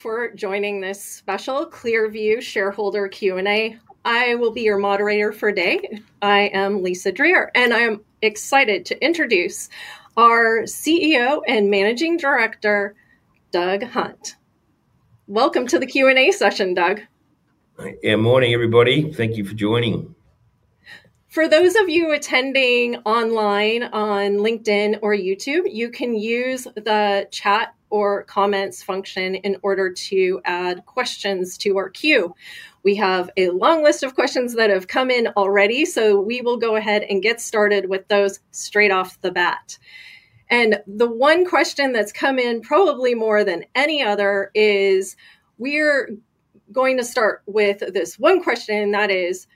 For joining this special ClearVue Shareholder Q&A. I will be your moderator for today. I am Lisa Dreher, and I am excited to introduce our CEO and Managing Director, Doug Hunt. Welcome to the Q&A session, Doug. Good morning, everybody. Thank you for joining. For those of you attending online on LinkedIn or YouTube, you can use the chat or comments function in order to add questions to our queue. We have a long list of questions that have come in already, so we will go ahead and get started with those straight off the bat. The one question that's come in, probably more than any other, is we're going to start with this one question, and that is,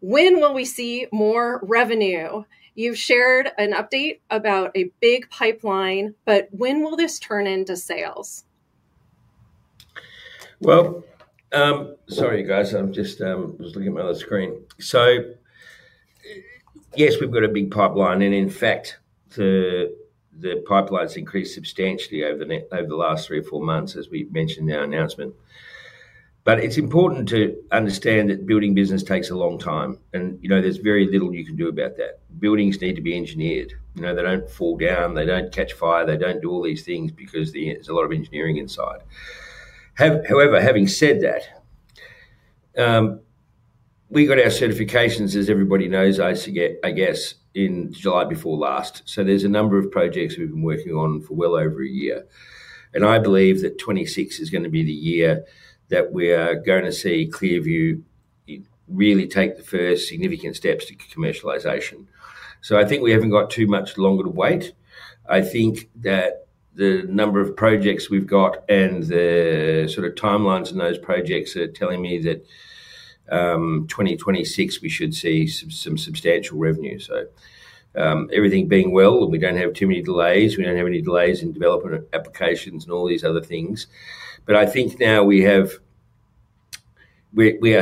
when will we see more revenue? You've shared an update about a big pipeline, but when will this turn into sales? Sorry, guys, I'm just looking at my other screen. Yes, we've got a big pipeline. In fact, the pipeline's increased substantially over the last three or four months, as we mentioned in our announcement. It is important to understand that building business takes a long time, and there's very little you can do about that. Buildings need to be engineered. They do not fall down, they do not catch fire, they do not do all these things because there's a lot of engineering inside. However, having said that, we got our certifications, as everybody knows, I guess, in July before last. There are a number of projects we've been working on for well over a year. I believe that 2026 is going to be the year that we're going to see ClearVue really take the first significant steps to commercialization. I think we have not got too much longer to wait. I think that the number of projects we have got and the sort of timelines in those projects are telling me that 2026, we should see some substantial revenue. Everything being well, we do not have too many delays. We do not have any delays in development applications and all these other things. I think now we are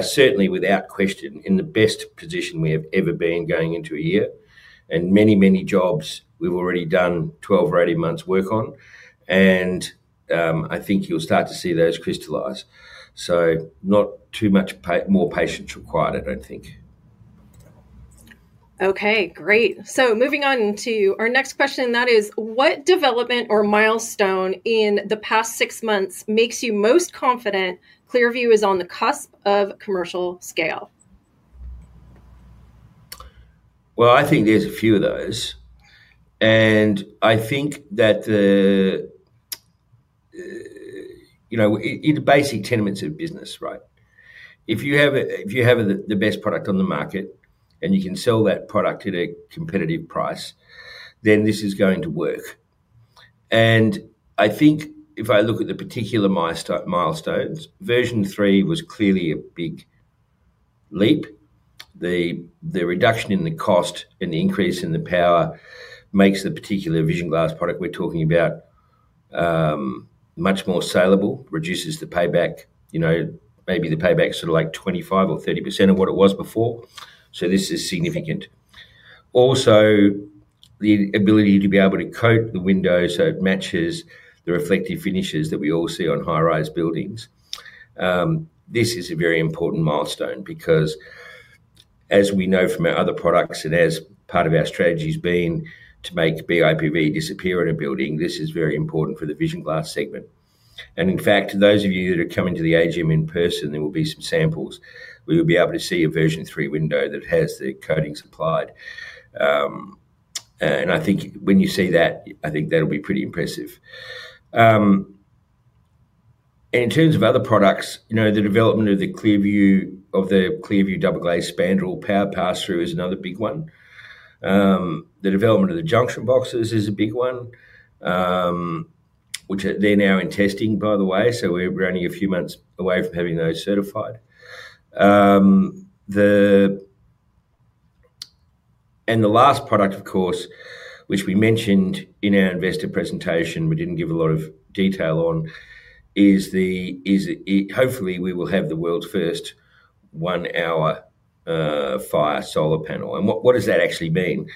certainly, without question, in the best position we have ever been going into a year. Many, many jobs we have already done 12 or 18 months' work on. I think you will start to see those crystallize. Not too much more patience required, I do not think. Okay, great. Moving on to our next question, that is, what development or milestone in the past six months makes you most confident ClearVue is on the cusp of commercial scale? I think there's a few of those. I think that it's basically tenets of business, right? If you have the best product on the market and you can sell that product at a competitive price, then this is going to work. I think if I look at the particular milestones, version three was clearly a big leap. The reduction in the cost and the increase in the power makes the particular Vision Glass product we're talking about much more saleable, reduces the payback, maybe the payback is sort of like 25% or 30% of what it was before. This is significant. Also, the ability to be able to coat the windows so it matches the reflective finishes that we all see on high-rise buildings. This is a very important milestone because, as we know from our other products and as part of our strategy has been to make BIPV disappear in a building, this is very important for the Vision Glass segment. In fact, those of you that are coming to the AGM in person, there will be some samples. We will be able to see a version three window that has the coatings applied. I think when you see that, I think that'll be pretty impressive. In terms of other products, the development of the ClearVue Double Glazed Spandrel Power Pass-Through is another big one. The development of the junction boxes is a big one, which they're now in testing, by the way. We are only a few months away from having those certified. The last product, of course, which we mentioned in our investor presentation, we did not give a lot of detail on, is hopefully we will have the world's first one-hour fire solar panel. What does that actually mean?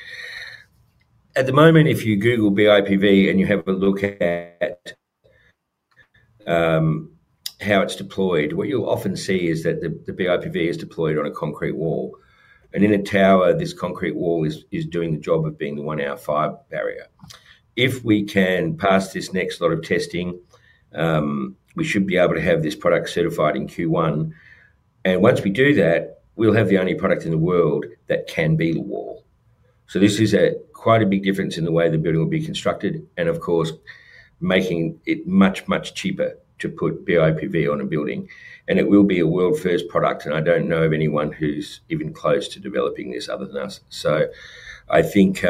At the moment, if you Google BIPV and you have a look at how it is deployed, what you will often see is that the BIPV is deployed on a concrete wall. In a tower, this concrete wall is doing the job of being the one-hour fire barrier. If we can pass this next lot of testing, we should be able to have this product certified in Q1. Once we do that, we will have the only product in the world that can be the wall. This is quite a big difference in the way the building will be constructed and, of course, making it much, much cheaper to put BIPV on a building. It will be a world-first product, and I do not know of anyone who is even close to developing this other than us. I think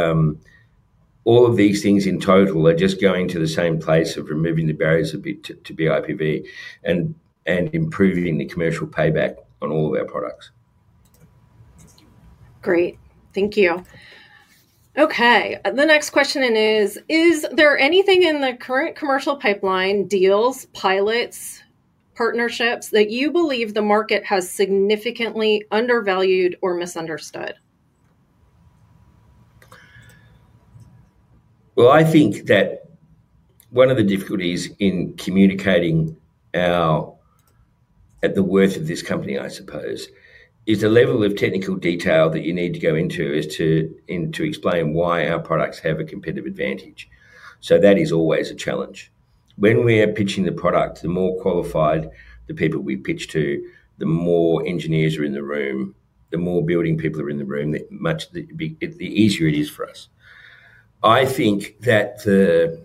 all of these things in total are just going to the same place of removing the barriers a bit to BIPV and improving the commercial payback on all of our products. Great. Thank you. Okay. The next question is, is there anything in the current commercial pipeline, deals, pilots, partnerships that you believe the market has significantly undervalued or misunderstood? I think that one of the difficulties in communicating the worth of this company, I suppose, is the level of technical detail that you need to go into to explain why our products have a competitive advantage. That is always a challenge. When we are pitching the product, the more qualified the people we pitch to, the more engineers are in the room, the more building people are in the room, the easier it is for us. I think that there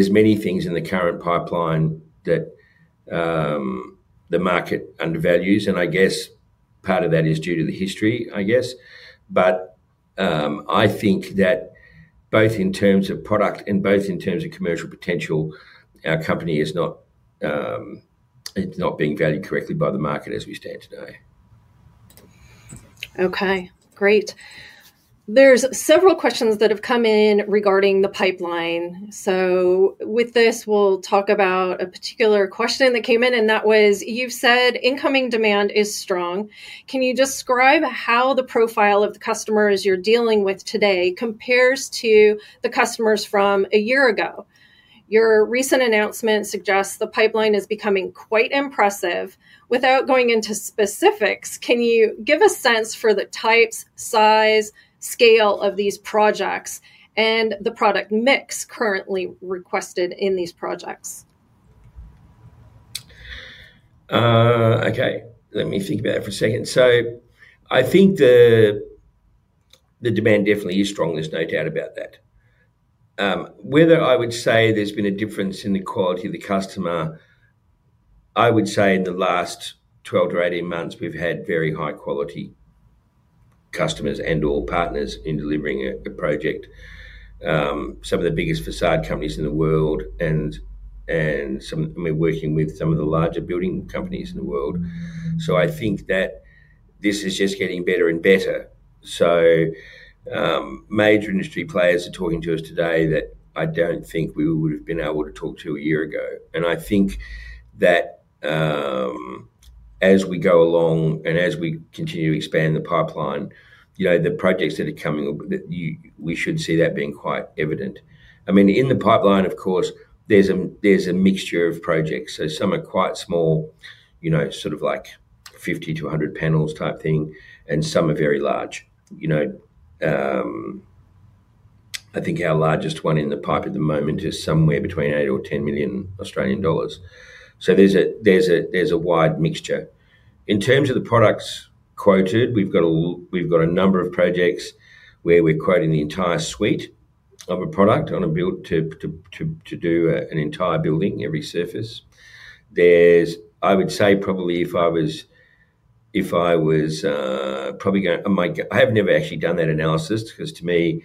are many things in the current pipeline that the market undervalues. I guess part of that is due to the history, I guess. I think that both in terms of product and both in terms of commercial potential, our company is not being valued correctly by the market as we stand today. Okay, great. There are several questions that have come in regarding the pipeline. With this, we'll talk about a particular question that came in, and that was, you've said incoming demand is strong. Can you describe how the profile of the customers you're dealing with today compares to the customers from a year ago? Your recent announcement suggests the pipeline is becoming quite impressive. Without going into specifics, can you give a sense for the types, size, scale of these projects, and the product mix currently requested in these projects? Okay, let me think about it for a second. I think the demand definitely is strong. There's no doubt about that. Whether I would say there's been a difference in the quality of the customer, I would say in the last 12 to 18 months, we've had very high-quality customers and/or partners in delivering a project. Some of the biggest facade companies in the world and working with some of the larger building companies in the world. I think that this is just getting better and better. Major industry players are talking to us today that I don't think we would have been able to talk to a year ago. I think that as we go along and as we continue to expand the pipeline, the projects that are coming, we should see that being quite evident. I mean, in the pipeline, of course, there's a mixture of projects. Some are quite small, sort of like 50-100 panels type thing, and some are very large. I think our largest one in the pipe at the moment is somewhere between 8 million and 10 million Australian dollars. There's a wide mixture. In terms of the products quoted, we've got a number of projects where we're quoting the entire suite of a product on a build to do an entire building, every surface. I would say probably if I was probably going to—I have never actually done that analysis because to me,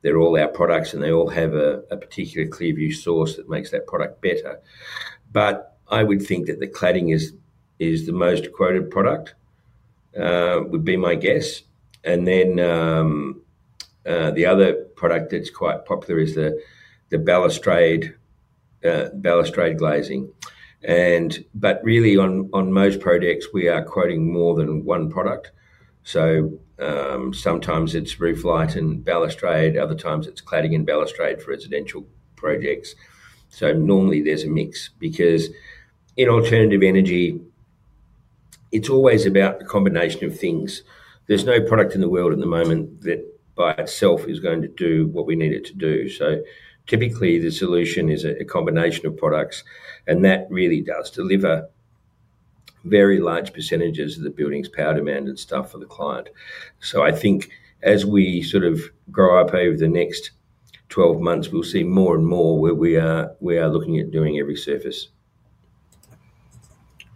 they're all our products and they all have a particular ClearVue source that makes that product better. I would think that the cladding is the most quoted product, would be my guess. The other product that's quite popular is the balustrade glazing. Really, on most projects, we are quoting more than one product. Sometimes it's roof light and balustrade. Other times it's cladding and balustrade for residential projects. Normally there's a mix because in alternative energy, it's always about the combination of things. There's no product in the world at the moment that by itself is going to do what we need it to do. Typically, the solution is a combination of products, and that really does deliver very large percentages of the building's power demand and stuff for the client. I think as we sort of grow up over the next 12 months, we'll see more and more where we are looking at doing every surface.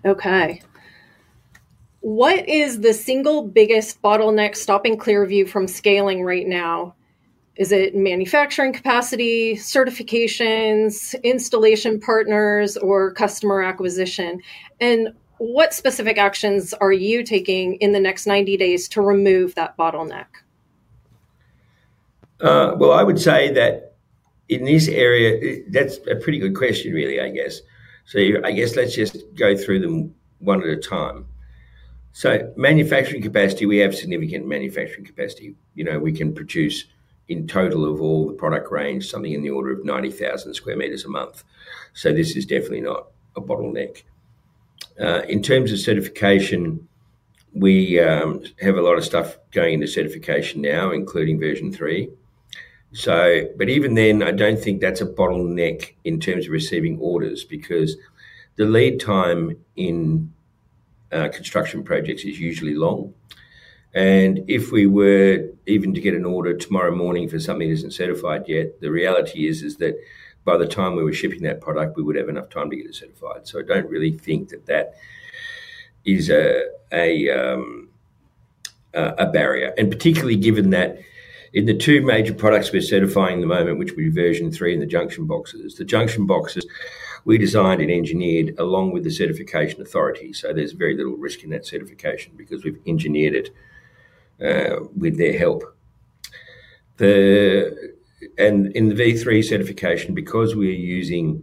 Okay. What is the single biggest bottleneck stopping ClearVue from scaling right now? Is it manufacturing capacity, certifications, installation partners, or customer acquisition? What specific actions are you taking in the next 90 days to remove that bottleneck? I would say that in this area, that's a pretty good question, really, I guess. I guess let's just go through them one at a time. Manufacturing capacity, we have significant manufacturing capacity. We can produce in total of all the product range, something in the order of 90,000 sq m a month. This is definitely not a bottleneck. In terms of certification, we have a lot of stuff going into certification now, including version three. Even then, I don't think that's a bottleneck in terms of receiving orders because the lead time in construction projects is usually long. If we were even to get an order tomorrow morning for something that isn't certified yet, the reality is that by the time we were shipping that product, we would have enough time to get it certified. I don't really think that that is a barrier. Particularly given that in the two major products we're certifying at the moment, which would be version three and the junction boxes, the junction boxes we designed and engineered along with the certification authority. There's very little risk in that certification because we've engineered it with their help. In the V3 certification, because we're using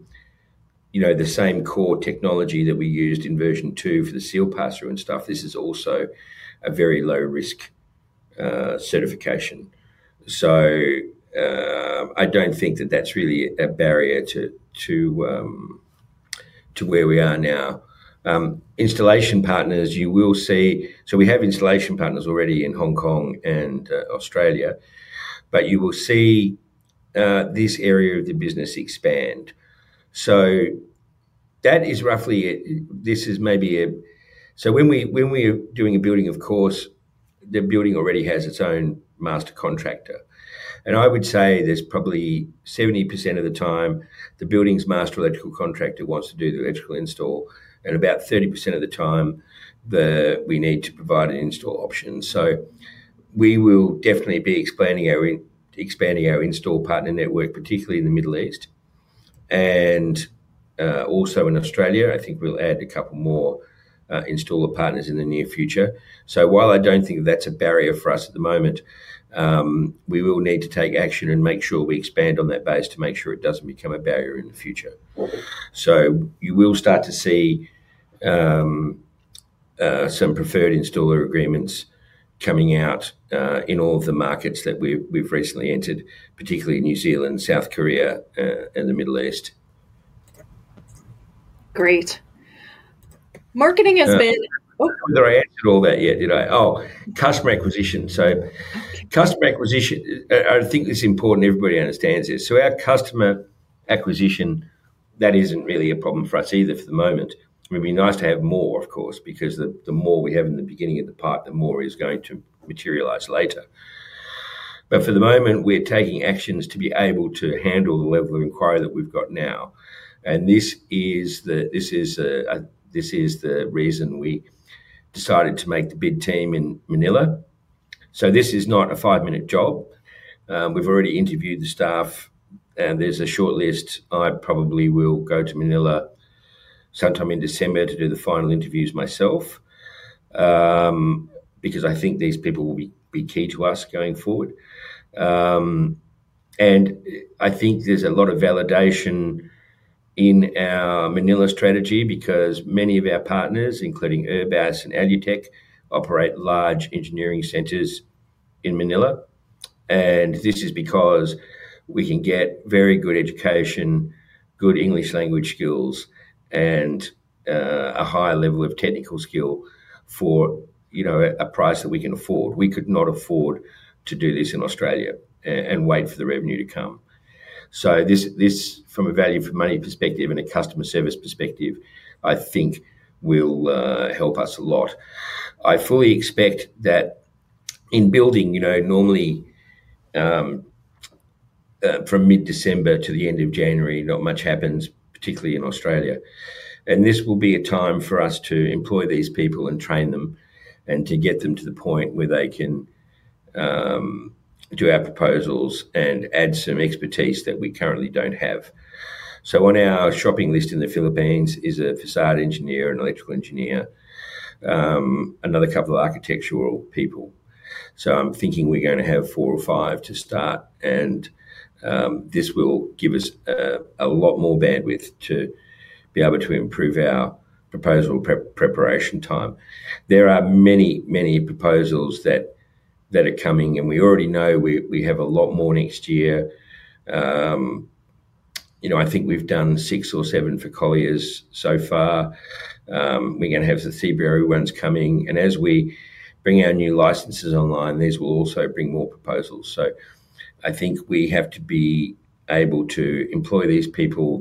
the same core technology that we used in version two for the seal pass-through and stuff, this is also a very low-risk certification. I don't think that that's really a barrier to where we are now. Installation partners, you will see—we have installation partners already in Hong Kong and Australia, but you will see this area of the business expand. That is roughly it. This is maybe a—so when we are doing a building, of course, the building already has its own master contractor. I would say there's probably 70% of the time the building's master electrical contractor wants to do the electrical install. About 30% of the time, we need to provide an install option. We will definitely be expanding our install partner network, particularly in the Middle East. Also in Australia, I think we'll add a couple more installer partners in the near future. While I don't think that's a barrier for us at the moment, we will need to take action and make sure we expand on that base to make sure it doesn't become a barrier in the future. You will start to see some preferred installer agreements coming out in all of the markets that we've recently entered, particularly New Zealand, South Korea, and the Middle East. Great. Marketing has been. Have I answered all that yet, did I? Oh, customer acquisition. Customer acquisition, I think it's important everybody understands this. Our customer acquisition, that isn't really a problem for us either for the moment. It would be nice to have more, of course, because the more we have in the beginning of the pipe, the more is going to materialize later. For the moment, we're taking actions to be able to handle the level of inquiry that we've got now. This is the reason we decided to make the bid team in Manila. This is not a five-minute job. We've already interviewed the staff, and there's a short list. I probably will go to Manila sometime in December to do the final interviews myself because I think these people will be key to us going forward. I think there's a lot of validation in our Manila strategy because many of our partners, including Airbus and Alutech, operate large engineering centers in Manila. This is because we can get very good education, good English language skills, and a high level of technical skill for a price that we can afford. We could not afford to do this in Australia and wait for the revenue to come. This, from a value-for-money perspective and a customer service perspective, I think will help us a lot. I fully expect that in building, normally from mid-December to the end of January, not much happens, particularly in Australia. This will be a time for us to employ these people and train them and to get them to the point where they can do our proposals and add some expertise that we currently don't have. On our shopping list in the Philippines is a facade engineer, an electrical engineer, another couple of architectural people. I'm thinking we're going to have four or five to start, and this will give us a lot more bandwidth to be able to improve our proposal preparation time. There are many, many proposals that are coming, and we already know we have a lot more next year. I think we've done six or seven for Colliers so far. We're going to have the Cebu ones coming. As we bring our new licenses online, these will also bring more proposals. I think we have to be able to employ these people.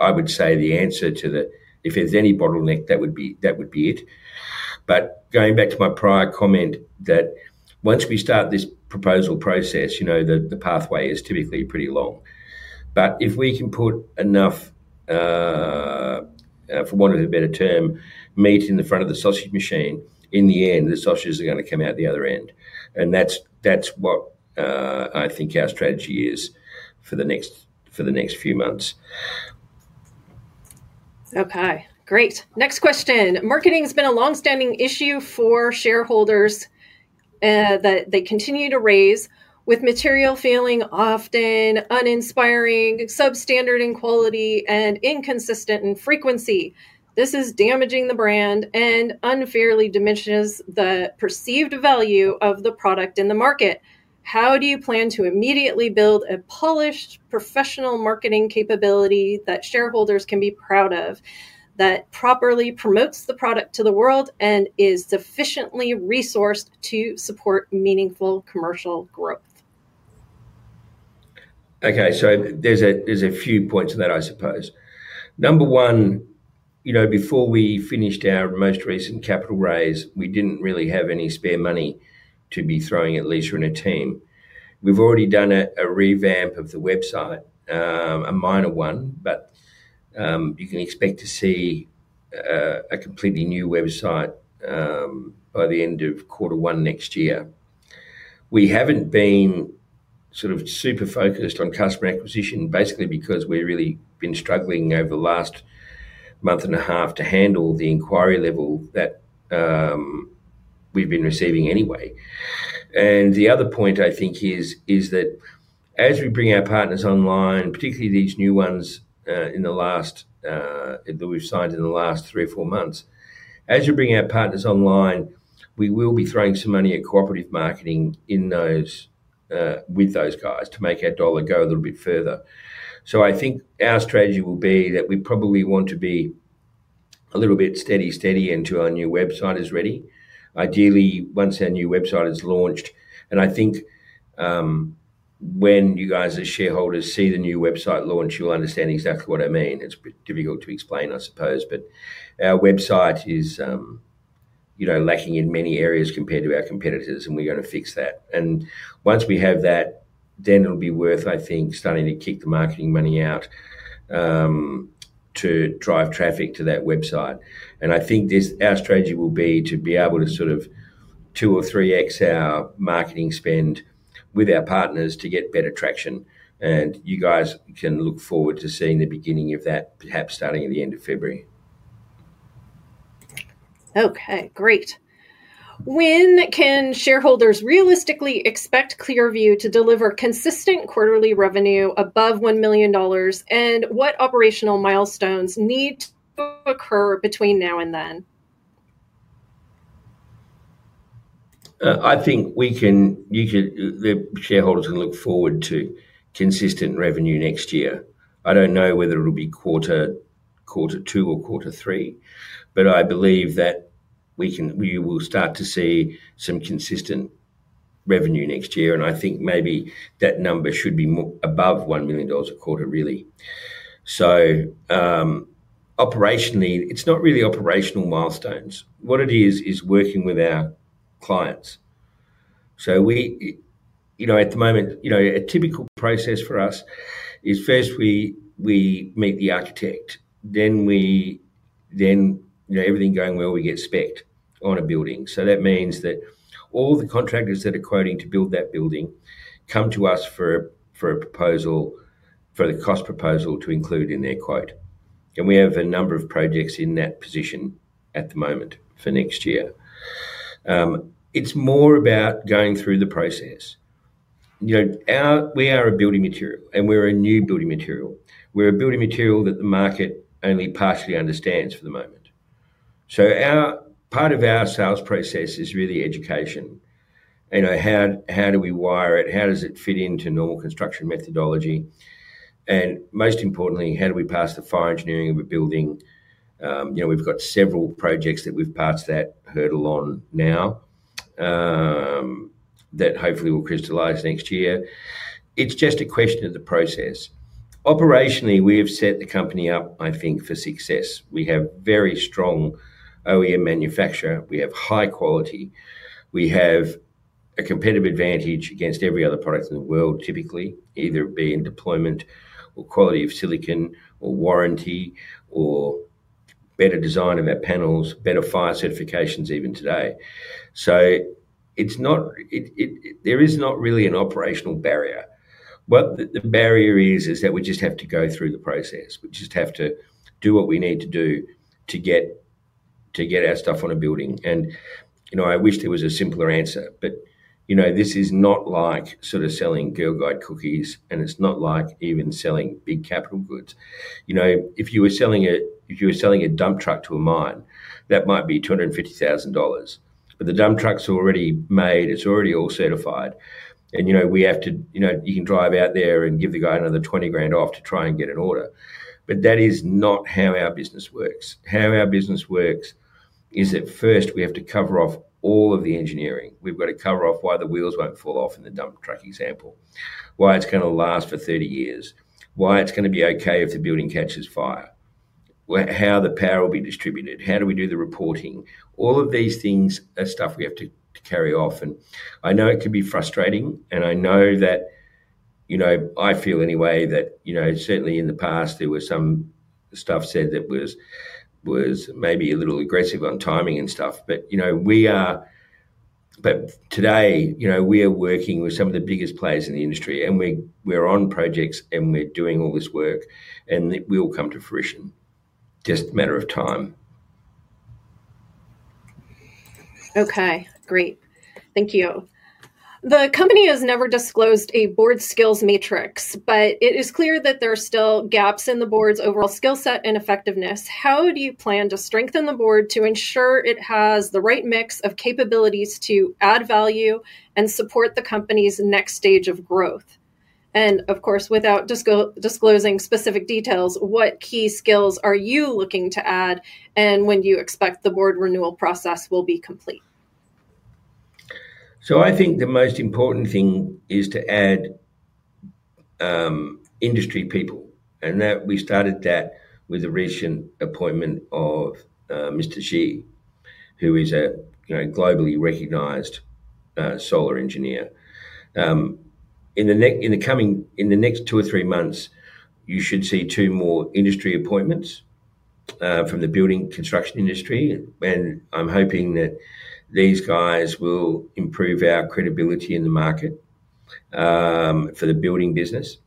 I would say the answer to the, if there's any bottleneck, that would be it. Going back to my prior comment, once we start this proposal process, the pathway is typically pretty long. If we can put enough, for want of a better term, meat in the front of the sausage machine, in the end, the sausages are going to come out the other end. That is what I think our strategy is for the next few months. Okay, great. Next question. Marketing has been a long-standing issue for shareholders that they continue to raise with material feeling often uninspiring, substandard in quality, and inconsistent in frequency. This is damaging the brand and unfairly diminishes the perceived value of the product in the market. How do you plan to immediately build a polished professional marketing capability that shareholders can be proud of, that properly promotes the product to the world and is sufficiently resourced to support meaningful commercial growth? Okay, so there's a few points in that, I suppose. Number one, before we finished our most recent capital raise, we didn't really have any spare money to be throwing at Lisa and her team. We've already done a revamp of the website, a minor one, but you can expect to see a completely new website by the end of quarter one next year. We haven't been sort of super focused on customer acquisition, basically because we've really been struggling over the last month and a half to handle the inquiry level that we've been receiving anyway. The other point I think is that as we bring our partners online, particularly these new ones that we've signed in the last three or four months, as we bring our partners online, we will be throwing some money at cooperative marketing with those guys to make our dollar go a little bit further. I think our strategy will be that we probably want to be a little bit steady, steady until our new website is ready, ideally once our new website is launched. I think when you guys as shareholders see the new website launch, you'll understand exactly what I mean. It's difficult to explain, I suppose, but our website is lacking in many areas compared to our competitors, and we're going to fix that. Once we have that, it'll be worth, I think, starting to kick the marketing money out to drive traffic to that website. I think our strategy will be to be able to sort of two or three X our marketing spend with our partners to get better traction. You guys can look forward to seeing the beginning of that, perhaps starting at the end of February. Okay, great. When can shareholders realistically expect ClearVue to deliver consistent quarterly revenue above $1 million and what operational milestones need to occur between now and then? I think the shareholders can look forward to consistent revenue next year. I do not know whether it will be quarter two or quarter three, but I believe that we will start to see some consistent revenue next year. I think maybe that number should be above $1 million a quarter, really. Operationally, it is not really operational milestones. What it is, is working with our clients. At the moment, a typical process for us is first we meet the architect, then everything going well, we get specced on a building. That means that all the contractors that are quoting to build that building come to us for a proposal, for the cost proposal to include in their quote. We have a number of projects in that position at the moment for next year. It is more about going through the process. We are a building material, and we're a new building material. We're a building material that the market only partially understands for the moment. Part of our sales process is really education. How do we wire it? How does it fit into normal construction methodology? Most importantly, how do we pass the fire engineering of a building? We've got several projects that we've passed that hurdle on now that hopefully will crystallize next year. It's just a question of the process. Operationally, we have set the company up, I think, for success. We have very strong OEM manufacturer. We have high quality. We have a competitive advantage against every other product in the world, typically, either being deployment or quality of silicon or warranty or better design of our panels, better fire certifications even today. There is not really an operational barrier. What the barrier is, is that we just have to go through the process. We just have to do what we need to do to get our stuff on a building. I wish there was a simpler answer, but this is not like sort of selling Girl Guide cookies, and it is not like even selling big capital goods. If you were selling a dump truck to a mine, that might be $250,000. The dump truck is already made. It is already all certified. You can drive out there and give the guy another $20,000 off to try and get an order. That is not how our business works. How our business works is that first we have to cover off all of the engineering. We've got to cover off why the wheels won't fall off in the dump truck example, why it's going to last for 30 years, why it's going to be okay if the building catches fire, how the power will be distributed, how do we do the reporting. All of these things are stuff we have to carry off. I know it can be frustrating, and I know that I feel anyway that certainly in the past, there was some stuff said that was maybe a little aggressive on timing and stuff. Today, we are working with some of the biggest players in the industry, and we're on projects, and we're doing all this work, and it will come to fruition. Just a matter of time. Okay, great. Thank you. The company has never disclosed a board skills matrix, but it is clear that there are still gaps in the board's overall skill set and effectiveness. How do you plan to strengthen the board to ensure it has the right mix of capabilities to add value and support the company's next stage of growth? Of course, without disclosing specific details, what key skills are you looking to add and when do you expect the board renewal process will be complete? I think the most important thing is to add industry people, and we started that with the recent appointment of Mr. Xi, who is a globally recognized solar engineer. In the next two or three months, you should see two more industry appointments from the building construction industry, and I'm hoping that these guys will improve our credibility in the market for the building business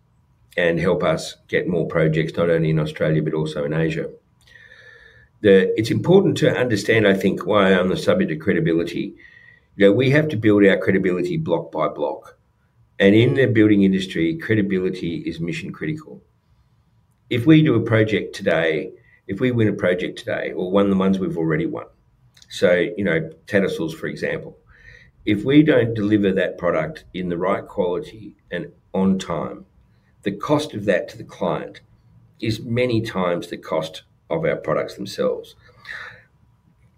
and help us get more projects, not only in Australia but also in Asia. It's important to understand, I think, why I'm the subject of credibility. We have to build our credibility block by block. In the building industry, credibility is mission-critical. If we do a project today, if we win a project today or one of the ones we've already won, so Tattersalls, for example, if we don't deliver that product in the right quality and on time, the cost of that to the client is many times the cost of our products themselves.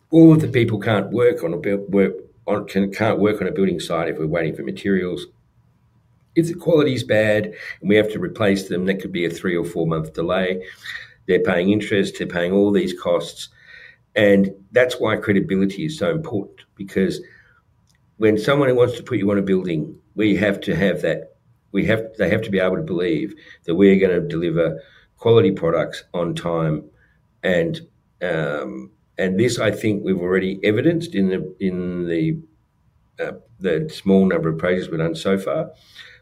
All of the people can't work on a building site if we're waiting for materials. If the quality is bad and we have to replace them, that could be a three- or four-month delay. They're paying interest. They're paying all these costs. That is why credibility is so important, because when someone wants to put you on a building, we have to have that. They have to be able to believe that we're going to deliver quality products on time. I think we've already evidenced this in the small number of projects we've done so far.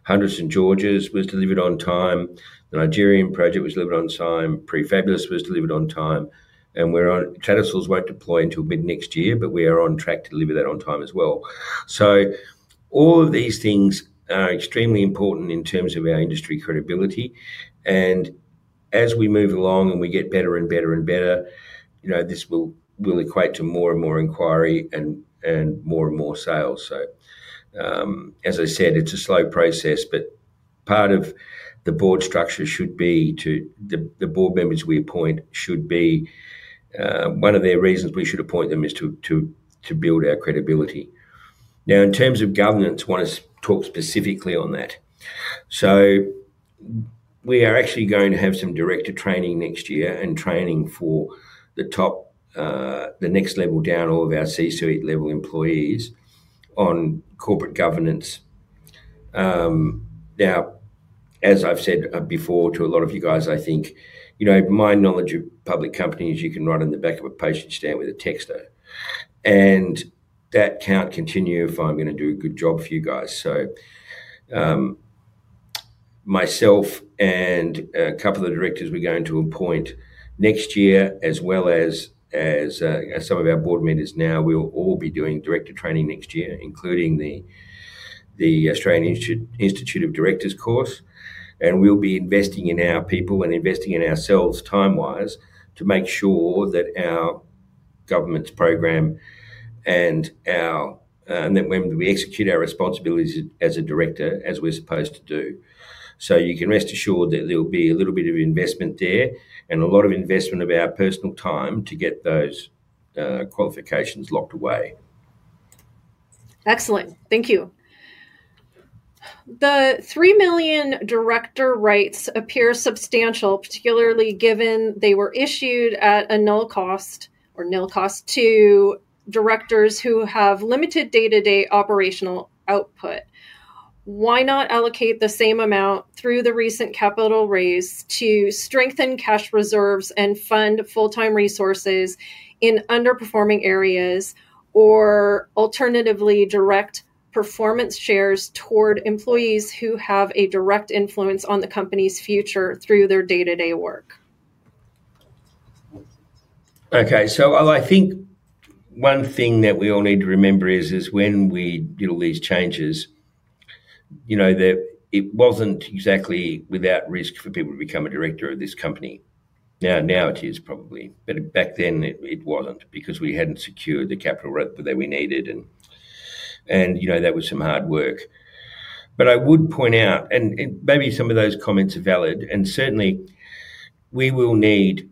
Hundreds and Georges was delivered on time. The Nigerian project was delivered on time. Prefabulous was delivered on time. Tattersalls won't deploy until mid-next year, but we are on track to deliver that on time as well. All of these things are extremely important in terms of our industry credibility. As we move along and we get better and better and better, this will equate to more and more inquiry and more and more sales. As I said, it's a slow process, but part of the board structure should be to the board members we appoint. One of the reasons we should appoint them is to build our credibility. In terms of governance, I want to talk specifically on that. We are actually going to have some director training next year and training for the next level down, all of our C-suite level employees on corporate governance. Now, as I've said before to a lot of you guys, I think my knowledge of public companies, you can write on the back of a patient stand with a texto, and that can't continue if I'm going to do a good job for you guys. Myself and a couple of the directors we're going to appoint next year, as well as some of our board members now, will all be doing director training next year, including the Australian Institute of Directors course. We'll be investing in our people and investing in ourselves time-wise to make sure that our governance program and that when we execute our responsibilities as a director, as we're supposed to do. You can rest assured that there will be a little bit of investment there and a lot of investment of our personal time to get those qualifications locked away. Excellent. Thank you. The 3 million director rights appear substantial, particularly given they were issued at a null cost or null cost to directors who have limited day-to-day operational output. Why not allocate the same amount through the recent capital raise to strengthen cash reserves and fund full-time resources in underperforming areas or alternatively direct performance shares toward employees who have a direct influence on the company's future through their day-to-day work? Okay. I think one thing that we all need to remember is when we do these changes, it was not exactly without risk for people to become a director of this company. Now, it is probably, but back then it was not because we had not secured the capital that we needed, and that was some hard work. I would point out, and maybe some of those comments are valid, and certainly we will need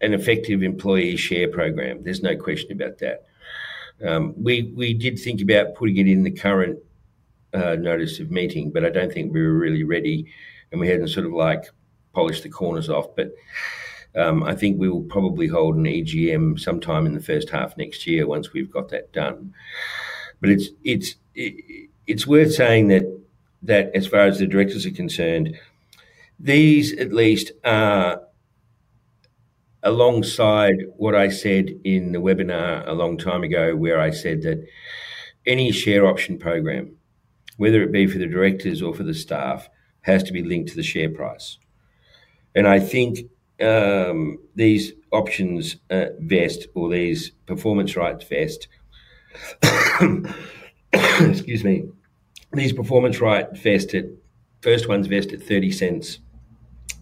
an effective employee share program. There is no question about that. We did think about putting it in the current notice of meeting, but I do not think we were really ready, and we had not sort of polished the corners off. I think we will probably hold an EGM sometime in the first half next year once we have got that done. It is worth saying that as far as the directors are concerned, these at least are alongside what I said in the webinar a long time ago where I said that any share option program, whether it be for the directors or for the staff, has to be linked to the share price. I think these options vest or these performance rights vest, excuse me, these performance rights vest, the first ones vest at 0.30,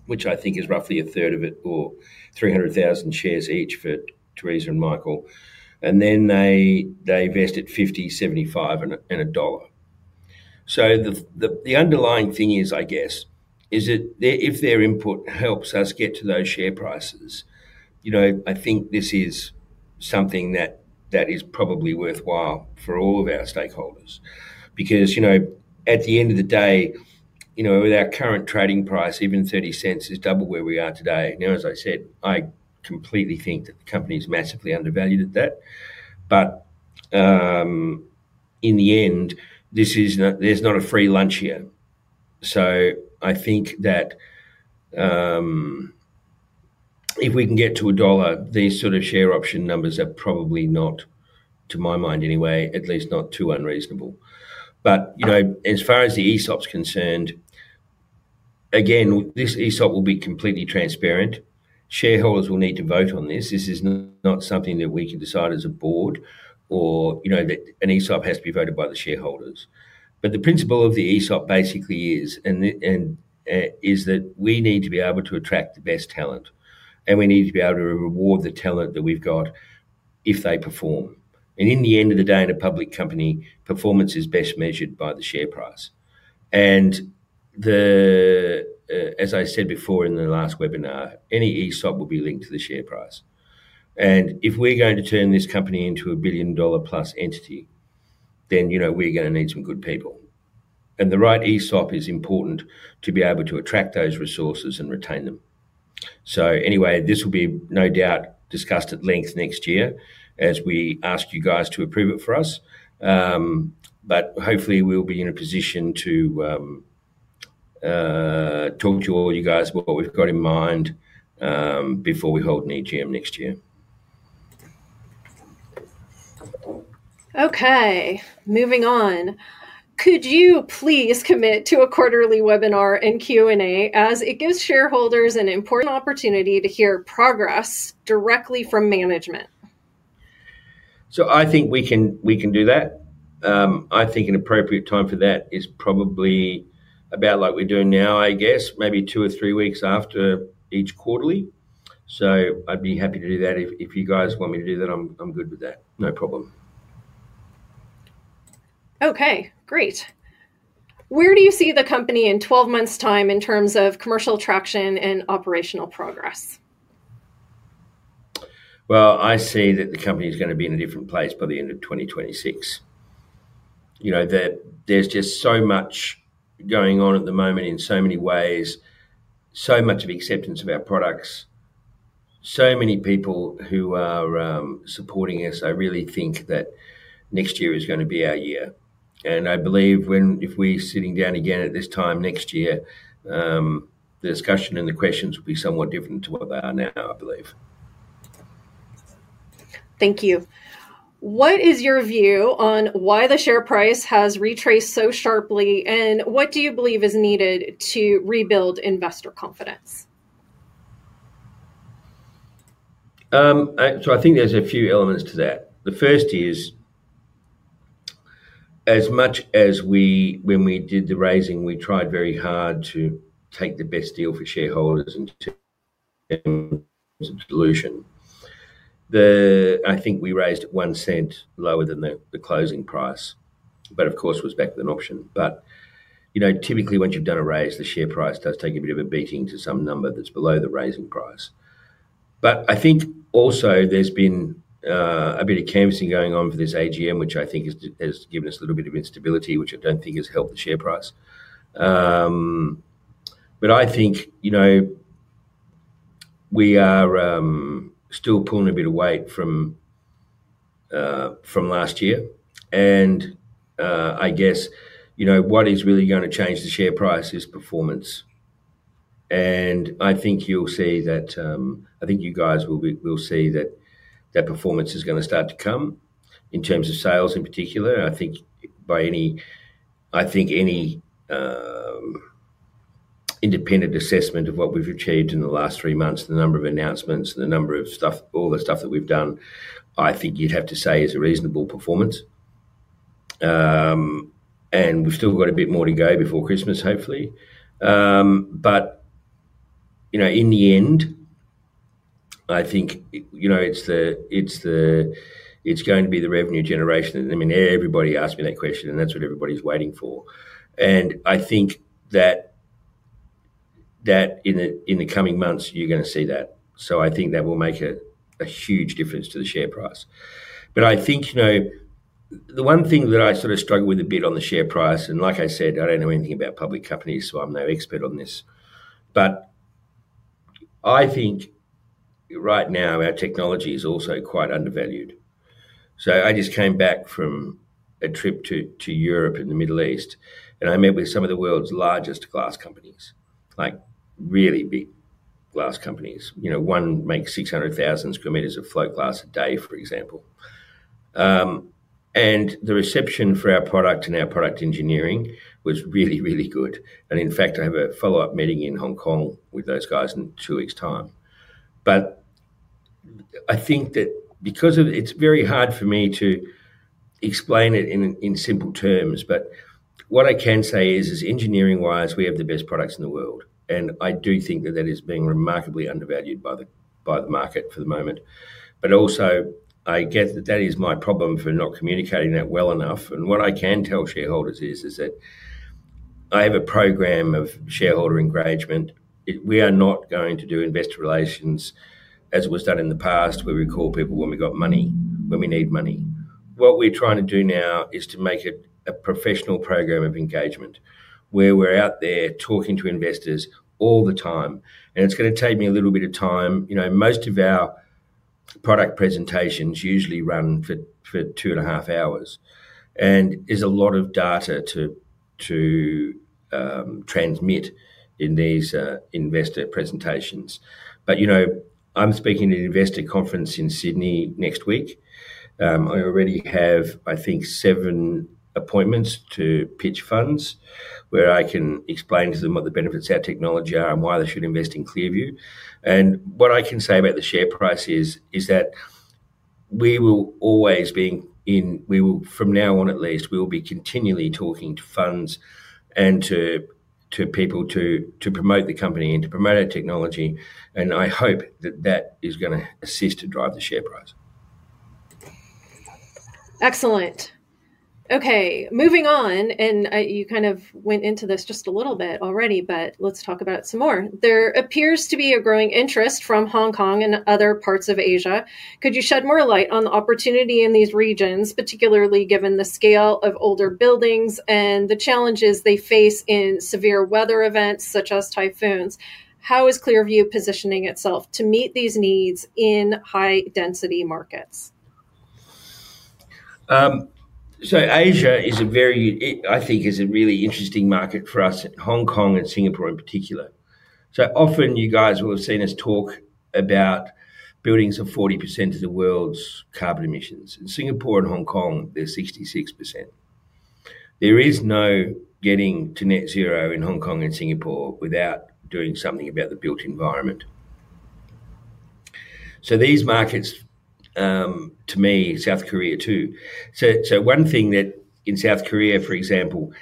which I think is roughly a third of it or 300,000 shares each for Theresa and Michael. They then vest at 0.50, 0.75, and AUD 1.00. The underlying thing is, I guess, that if their input helps us get to those share prices, I think this is something that is probably worthwhile for all of our stakeholders. Because at the end of the day, with our current trading price, even 0.30 is double where we are today. Now, as I said, I completely think that the company is massively undervalued at that. In the end, there is not a free lunch here. I think that if we can get to a dollar, these sort of share option numbers are probably not, to my mind anyway, at least not too unreasonable. As far as the ESOP is concerned, again, this ESOP will be completely transparent. Shareholders will need to vote on this. This is not something that we can decide as a board or that an ESOP has to be voted by the shareholders. The principle of the ESOP basically is that we need to be able to attract the best talent, and we need to be able to reward the talent that we've got if they perform. In the end of the day, in a public company, performance is best measured by the share price. As I said before in the last webinar, any ESOP will be linked to the share price. If we're going to turn this company into a billion-dollar-plus entity, then we're going to need some good people. The right ESOP is important to be able to attract those resources and retain them. Anyway, this will be no doubt discussed at length next year as we ask you guys to approve it for us. Hopefully, we'll be in a position to talk to all you guys about what we've got in mind before we hold an EGM next year. Okay. Moving on. Could you please commit to a quarterly webinar and Q&A as it gives shareholders an important opportunity to hear progress directly from management? I think we can do that. I think an appropriate time for that is probably about like we're doing now, I guess, maybe two or three weeks after each quarterly. I'd be happy to do that. If you guys want me to do that, I'm good with that. No problem. Okay. Great. Where do you see the company in 12 months' time in terms of commercial traction and operational progress? I see that the company is going to be in a different place by the end of 2026. There's just so much going on at the moment in so many ways, so much of acceptance of our products, so many people who are supporting us. I really think that next year is going to be our year. I believe if we're sitting down again at this time next year, the discussion and the questions will be somewhat different to what they are now, I believe. Thank you. What is your view on why the share price has retraced so sharply, and what do you believe is needed to rebuild investor confidence? I think there's a few elements to that. The first is, as much as when we did the raising, we tried very hard to take the best deal for shareholders and to get them some solution. I think we raised at one cent lower than the closing price, but of course, it was back with an option. Typically, once you've done a raise, the share price does take a bit of a beating to some number that's below the raising price. I think also there's been a bit of canvassing going on for this AGM, which I think has given us a little bit of instability, which I don't think has helped the share price. I think we are still pulling a bit of weight from last year. I guess what is really going to change the share price is performance. I think you guys will see that performance is going to start to come in terms of sales in particular. I think any independent assessment of what we've achieved in the last three months, the number of announcements, the number of stuff, all the stuff that we've done, I think you'd have to say is a reasonable performance. We've still got a bit more to go before Christmas, hopefully. In the end, I think it's going to be the revenue generation. I mean, everybody asked me that question, and that's what everybody's waiting for. I think that in the coming months, you're going to see that. I think that will make a huge difference to the share price. I think the one thing that I sort of struggle with a bit on the share price, and like I said, I do not know anything about public companies, so I am no expert on this. I think right now, our technology is also quite undervalued. I just came back from a trip to Europe and the Middle East, and I met with some of the world's largest glass companies, really big glass companies. One makes 600,000 sq m of float glass a day, for example. The reception for our product and our product engineering was really, really good. In fact, I have a follow-up meeting in Hong Kong with those guys in two weeks' time. I think that because of it's very hard for me to explain it in simple terms, but what I can say is, engineering-wise, we have the best products in the world. I do think that that is being remarkably undervalued by the market for the moment. I guess that that is my problem for not communicating that well enough. What I can tell shareholders is that I have a program of shareholder engagement. We are not going to do investor relations as it was done in the past where we call people when we got money, when we need money. What we're trying to do now is to make it a professional program of engagement where we're out there talking to investors all the time. It's going to take me a little bit of time. Most of our product presentations usually run for two and a half hours. There is a lot of data to transmit in these investor presentations. I am speaking at an investor conference in Sydney next week. I already have, I think, seven appointments to pitch funds where I can explain to them what the benefits of our technology are and why they should invest in ClearVue. What I can say about the share price is that we will always be in, from now on at least, we will be continually talking to funds and to people to promote the company and to promote our technology. I hope that that is going to assist to drive the share price. Excellent. Okay. Moving on. You kind of went into this just a little bit already, but let's talk about some more. There appears to be a growing interest from Hong Kong and other parts of Asia. Could you shed more light on the opportunity in these regions, particularly given the scale of older buildings and the challenges they face in severe weather events such as typhoons? How is ClearVue positioning itself to meet these needs in high-density markets? Asia is a very, I think, is a really interesting market for us, Hong Kong and Singapore in particular. Often, you guys will have seen us talk about buildings of 40% of the world's carbon emissions. In Singapore and Hong Kong, they're 66%. There is no getting to net zero in Hong Kong and Singapore without doing something about the built environment. These markets, to me, South Korea too. One thing that in South Korea, for example,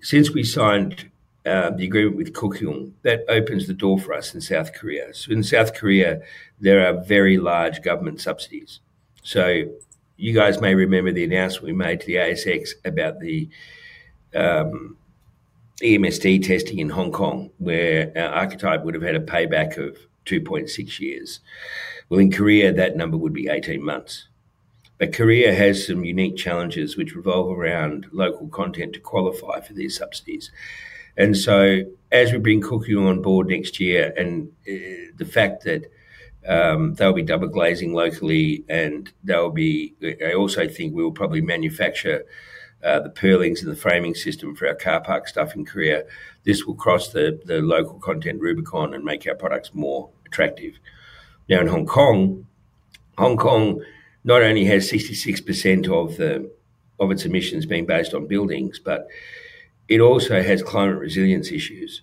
since we signed the agreement with Kukyoung, that opens the door for us in South Korea. In South Korea, there are very large government subsidies. You guys may remember the announcement we made to the ASX about the EMSD testing in Hong Kong where our archetype would have had a payback of 2.6 years. In Korea, that number would be 18 months. Korea has some unique challenges which revolve around local content to qualify for these subsidies. As we bring Kukyoung on board next year and the fact that they'll be double glazing locally and they'll be, I also think we will probably manufacture the purlins and the framing system for our car park stuff in Korea, this will cross the local content Rubicon and make our products more attractive. Now, in Hong Kong, Hong Kong not only has 66 percent of its emissions being based on buildings, but it also has climate resilience issues.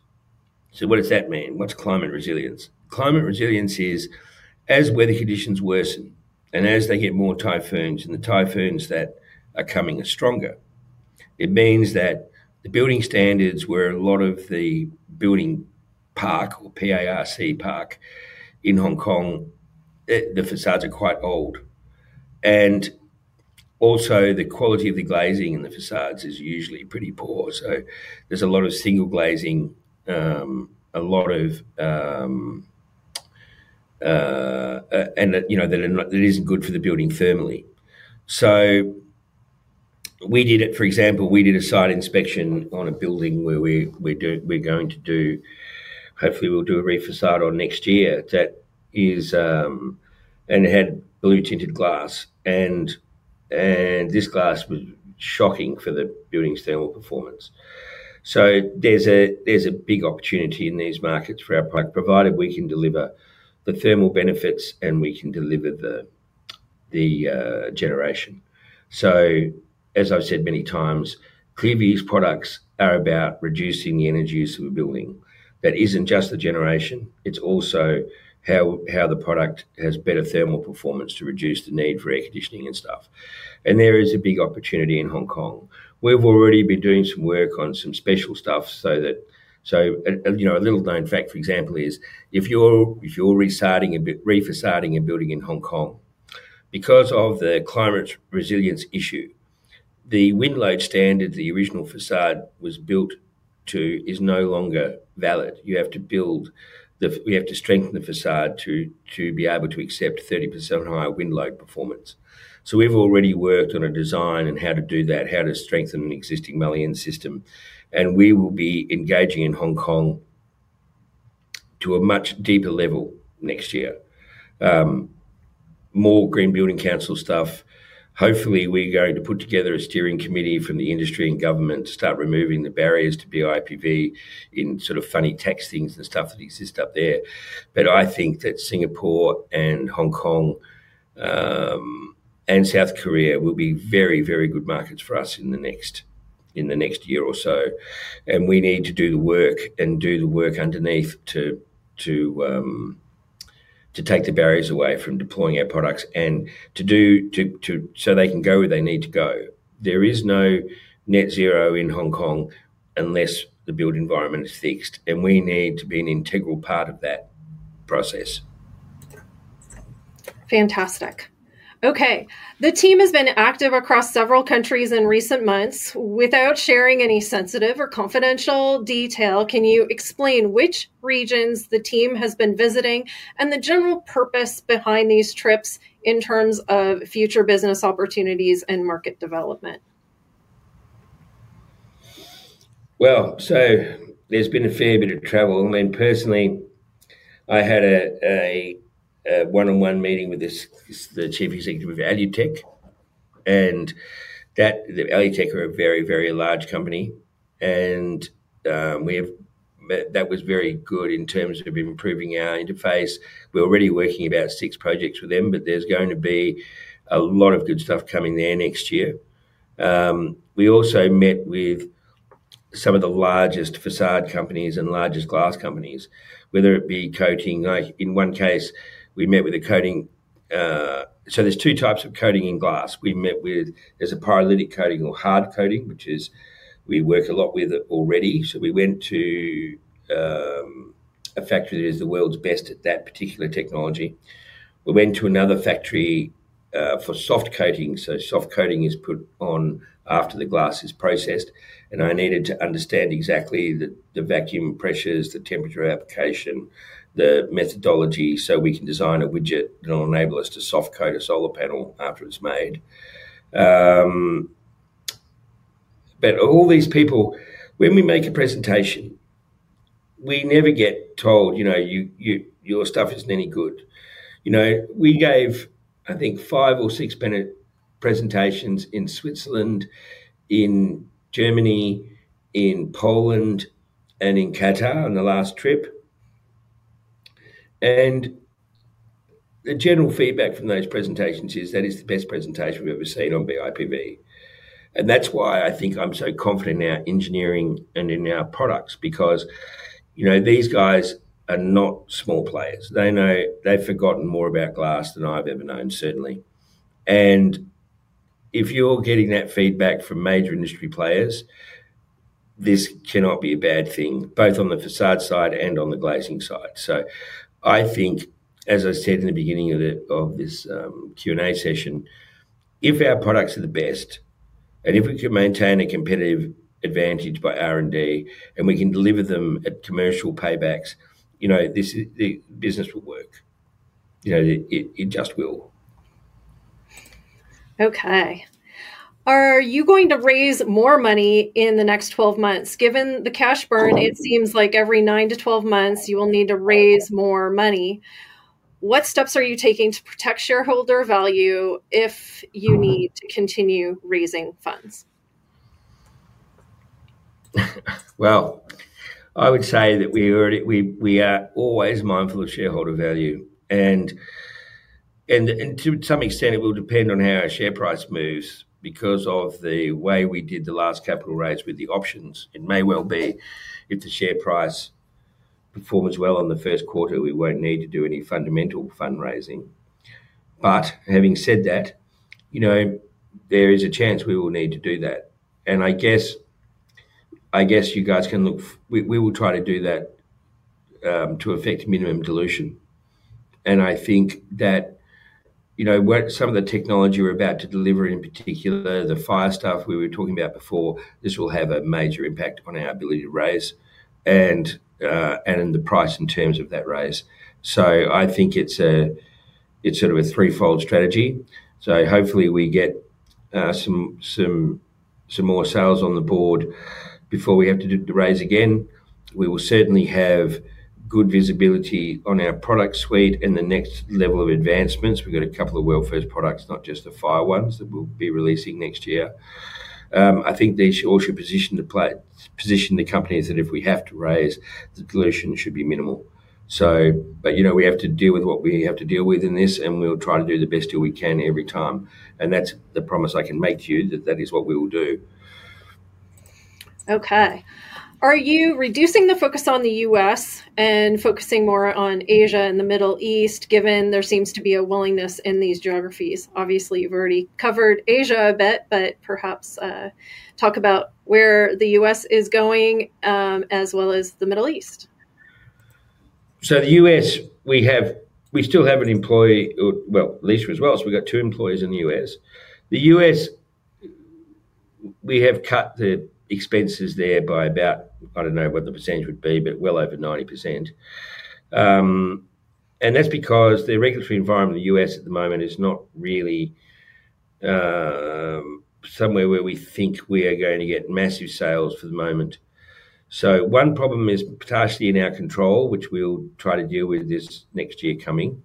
What does that mean? What's climate resilience? Climate resilience is as weather conditions worsen and as they get more typhoons and the typhoons that are coming are stronger, it means that the building standards where a lot of the building park or PARC park in Hong Kong, the facades are quite old. Also, the quality of the glazing in the facades is usually pretty poor. There is a lot of single glazing, and that is not good for the building thermally. For example, we did a site inspection on a building where we are going to do, hopefully, a refacade next year that had blue-tinted glass. This glass was shocking for the building's thermal performance. There is a big opportunity in these markets for our product provider. We can deliver the thermal benefits and we can deliver the generation. As I have said many times, ClearVue's products are about reducing the energy use of a building. That is not just the generation. It is also how the product has better thermal performance to reduce the need for air conditioning and stuff. There is a big opportunity in Hong Kong. We've already been doing some work on some special stuff. A little-known fact, for example, is if you're refacading a building in Hong Kong, because of the climate resilience issue, the wind load standard the original facade was built to is no longer valid. You have to build the, we have to strengthen the facade to be able to accept 30% higher wind load performance. We've already worked on a design and how to do that, how to strengthen an existing Malian system. We will be engaging in Hong Kong to a much deeper level next year. More Green Building Council stuff. Hopefully, we're going to put together a steering committee from the industry and government to start removing the barriers to BIPV in sort of funny tax things and stuff that exist up there. I think that Singapore and Hong Kong and South Korea will be very, very good markets for us in the next year or so. We need to do the work and do the work underneath to take the barriers away from deploying our products and to do so they can go where they need to go. There is no net zero in Hong Kong unless the built environment is fixed. We need to be an integral part of that process. Fantastic. Okay. The team has been active across several countries in recent months. Without sharing any sensitive or confidential detail, can you explain which regions the team has been visiting and the general purpose behind these trips in terms of future business opportunities and market development? There's been a fair bit of travel. I mean, personally, I had a one-on-one meeting with the Chief Executive of Alutech. Alutech are a very, very large company. That was very good in terms of improving our interface. We're already working about six projects with them, but there's going to be a lot of good stuff coming there next year. We also met with some of the largest facade companies and largest glass companies, whether it be coating. In one case, we met with a coating. There are two types of coating in glass. We met with, there's a pyrolytic coating or hard coating, which is we work a lot with it already. We went to a factory that is the world's best at that particular technology. We went to another factory for soft coating. Soft coating is put on after the glass is processed. I needed to understand exactly the vacuum pressures, the temperature application, the methodology so we can design a widget that will enable us to soft coat a solar panel after it's made. All these people, when we make a presentation, we never get told, "Your stuff isn't any good." We gave, I think, five or six presentations in Switzerland, in Germany, in Poland, and in Qatar on the last trip. The general feedback from those presentations is that it's the best presentation we've ever seen on BIPV. That's why I think I'm so confident in our engineering and in our products because these guys are not small players. They've forgotten more about glass than I've ever known, certainly. If you're getting that feedback from major industry players, this cannot be a bad thing, both on the facade side and on the glazing side. I think, as I said in the beginning of this Q&A session, if our products are the best and if we can maintain a competitive advantage by R&D and we can deliver them at commercial paybacks, the business will work. It just will. Okay. Are you going to raise more money in the next 12 months? Given the cash burn, it seems like every 9 to 12 months you will need to raise more money. What steps are you taking to protect shareholder value if you need to continue raising funds? I would say that we are always mindful of shareholder value. To some extent, it will depend on how our share price moves because of the way we did the last capital raise with the options. It may well be if the share price performs well in the first quarter, we will not need to do any fundamental fundraising. Having said that, there is a chance we will need to do that. I guess you guys can look, we will try to do that to effect minimum dilution. I think that some of the technology we are about to deliver, in particular, the fire stuff we were talking about before, this will have a major impact on our ability to raise and the price in terms of that raise. I think it is sort of a threefold strategy. Hopefully, we get some more sales on the board before we have to do the raise again. We will certainly have good visibility on our product suite and the next level of advancements. We've got a couple of welfare products, not just the fire ones that we'll be releasing next year. I think they all should position the companies that if we have to raise, the dilution should be minimal. We have to deal with what we have to deal with in this, and we'll try to do the best deal we can every time. That's the promise I can make to you that that is what we will do. Okay. Are you reducing the focus on the U.S. and focusing more on Asia and the Middle East given there seems to be a willingness in these geographies? Obviously, you've already covered Asia a bit, but perhaps talk about where the U.S. is going as well as the Middle East. The U.S., we still have an employee, at least as well as we've got two employees in the U.S. The U.S., we have cut the expenses there by about, I don't know what the percentage would be, but well over 90 percent. That's because the regulatory environment in the U.S. at the moment is not really somewhere where we think we are going to get massive sales for the moment. One problem is partially in our control, which we'll try to deal with this next year coming.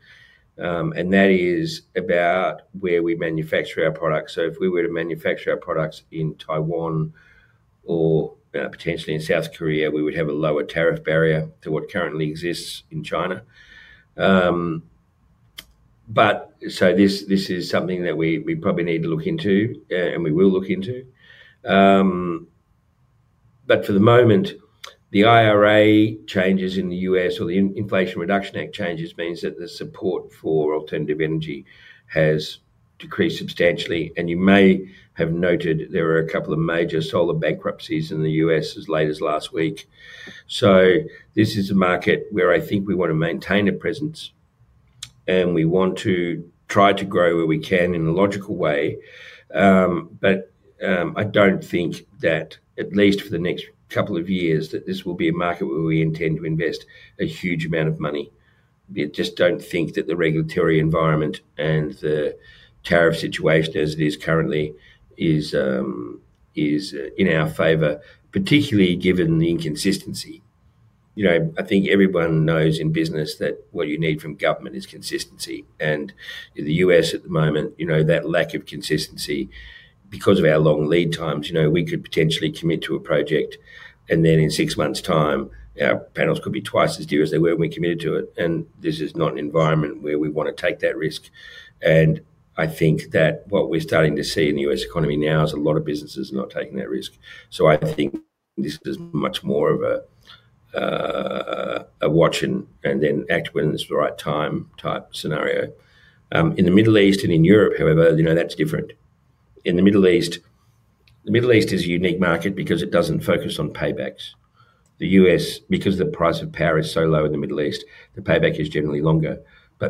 That is about where we manufacture our products. If we were to manufacture our products in Taiwan or potentially in South Korea, we would have a lower tariff barrier to what currently exists in China. This is something that we probably need to look into and we will look into. For the moment, the IRA changes in the U.S. or the Inflation Reduction Act changes means that the support for alternative energy has decreased substantially. You may have noted there are a couple of major solar bankruptcies in the U.S. as late as last week. This is a market where I think we want to maintain a presence and we want to try to grow where we can in a logical way. I do not think that, at least for the next couple of years, this will be a market where we intend to invest a huge amount of money. I just do not think that the regulatory environment and the tariff situation as it is currently is in our favor, particularly given the inconsistency. I think everyone knows in business that what you need from government is consistency. In the U.S. at the moment, that lack of consistency because of our long lead times, we could potentially commit to a project and then in six months' time, our panels could be twice as dear as they were when we committed to it. This is not an environment where we want to take that risk. I think that what we're starting to see in the U.S. economy now is a lot of businesses are not taking that risk. I think this is much more of a watch and then act when it's the right time type scenario. In the Middle East and in Europe, however, that's different. In the Middle East, the Middle East is a unique market because it does not focus on paybacks. The U.S., because the price of power is so low in the Middle East, the payback is generally longer.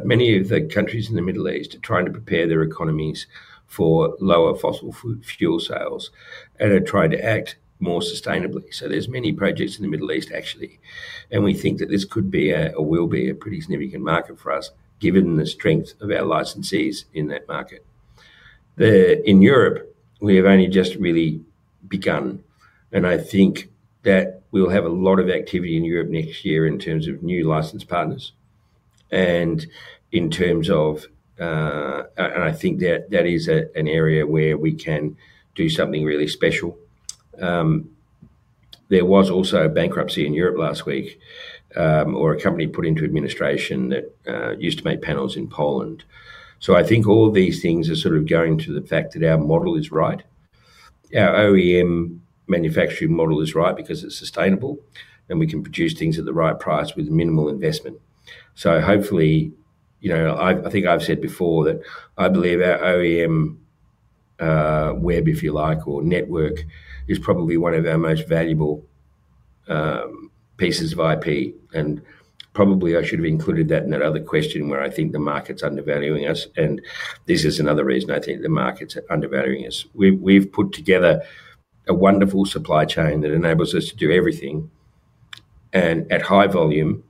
Many of the countries in the Middle East are trying to prepare their economies for lower fossil fuel sales and are trying to act more sustainably. There are many projects in the Middle East, actually. We think that this could be or will be a pretty significant market for us given the strength of our licensees in that market. In Europe, we have only just really begun. I think that we will have a lot of activity in Europe next year in terms of new license partners and in terms of, and I think that is an area where we can do something really special. There was also a bankruptcy in Europe last week or a company put into administration that used to make panels in Poland. I think all of these things are sort of going to the fact that our model is right. Our OEM manufacturing model is right because it's sustainable and we can produce things at the right price with minimal investment. Hopefully, I think I've said before that I believe our OEM web, if you like, or network is probably one of our most valuable pieces of IP. I probably should have included that in that other question where I think the market's undervaluing us. This is another reason I think the market's undervaluing us. We've put together a wonderful supply chain that enables us to do everything at high volume,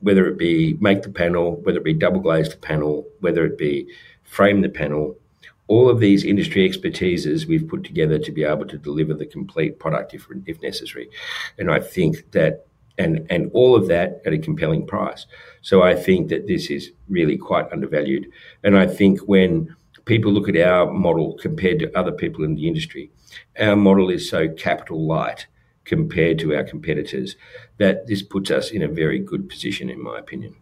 whether it be make the panel, whether it be double-glaze the panel, whether it be frame the panel. All of these industry expertises we've put together to be able to deliver the complete product if necessary. I think that, and all of that at a compelling price. I think that this is really quite undervalued. I think when people look at our model compared to other people in the industry, our model is so capital light compared to our competitors that this puts us in a very good position, in my opinion.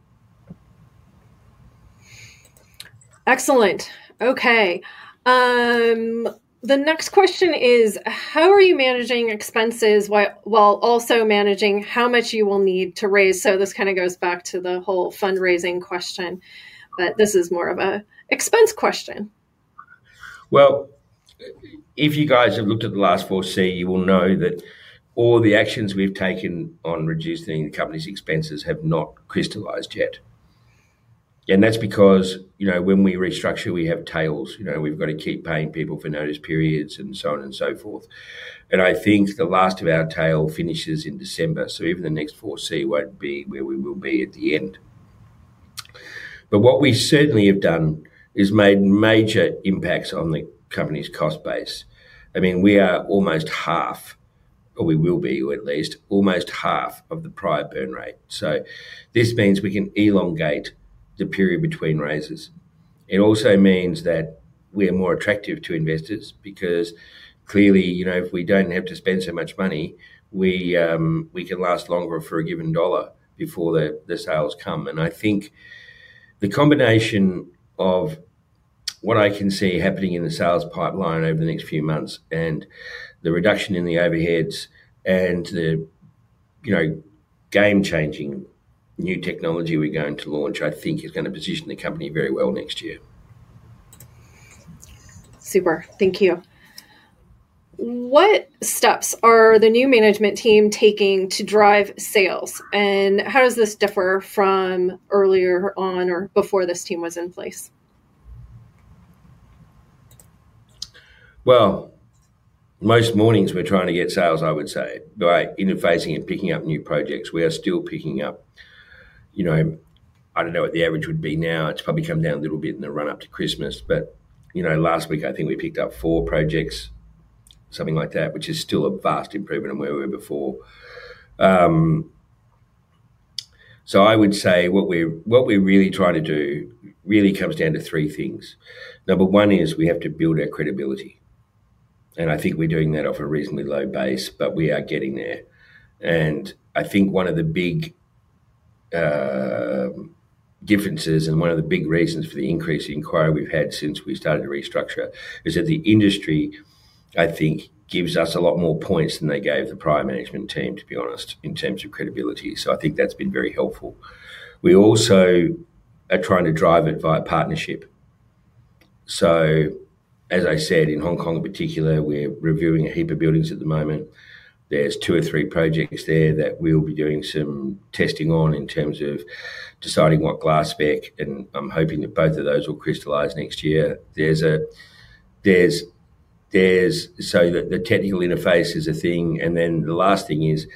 Excellent. Okay. The next question is, how are you managing expenses while also managing how much you will need to raise? This kind of goes back to the whole fundraising question, but this is more of an expense question. If you guys have looked at the last four, say, you will know that all the actions we've taken on reducing the company's expenses have not crystallized yet. That is because when we restructure, we have tails. We've got to keep paying people for notice periods and so on and so forth. I think the last of our tail finishes in December. Even the next four C will not be where we will be at the end. What we certainly have done is made major impacts on the company's cost base. I mean, we are almost half, or we will be at least, almost half of the prior burn rate. This means we can elongate the period between raises. It also means that we are more attractive to investors because clearly, if we do not have to spend so much money, we can last longer for a given dollar before the sales come. I think the combination of what I can see happening in the sales pipeline over the next few months and the reduction in the overheads and the game-changing new technology we are going to launch, I think is going to position the company very well next year. Super. Thank you. What steps are the new management team taking to drive sales? How does this differ from earlier on or before this team was in place? Most mornings we're trying to get sales, I would say, by interfacing and picking up new projects. We are still picking up. I don't know what the average would be now. It's probably come down a little bit in the run-up to Christmas. Last week, I think we picked up four projects, something like that, which is still a vast improvement on where we were before. I would say what we're really trying to do really comes down to three things. Number one is we have to build our credibility. I think we're doing that off a reasonably low base, but we are getting there. I think one of the big differences and one of the big reasons for the increase in inquiry we've had since we started to restructure is that the industry, I think, gives us a lot more points than they gave the prior management team, to be honest, in terms of credibility. I think that's been very helpful. We also are trying to drive it via partnership. As I said, in Hong Kong in particular, we're reviewing a heap of buildings at the moment. There are two or three projects there that we'll be doing some testing on in terms of deciding what glass spec, and I'm hoping that both of those will crystallize next year. The technical interface is a thing. The last thing is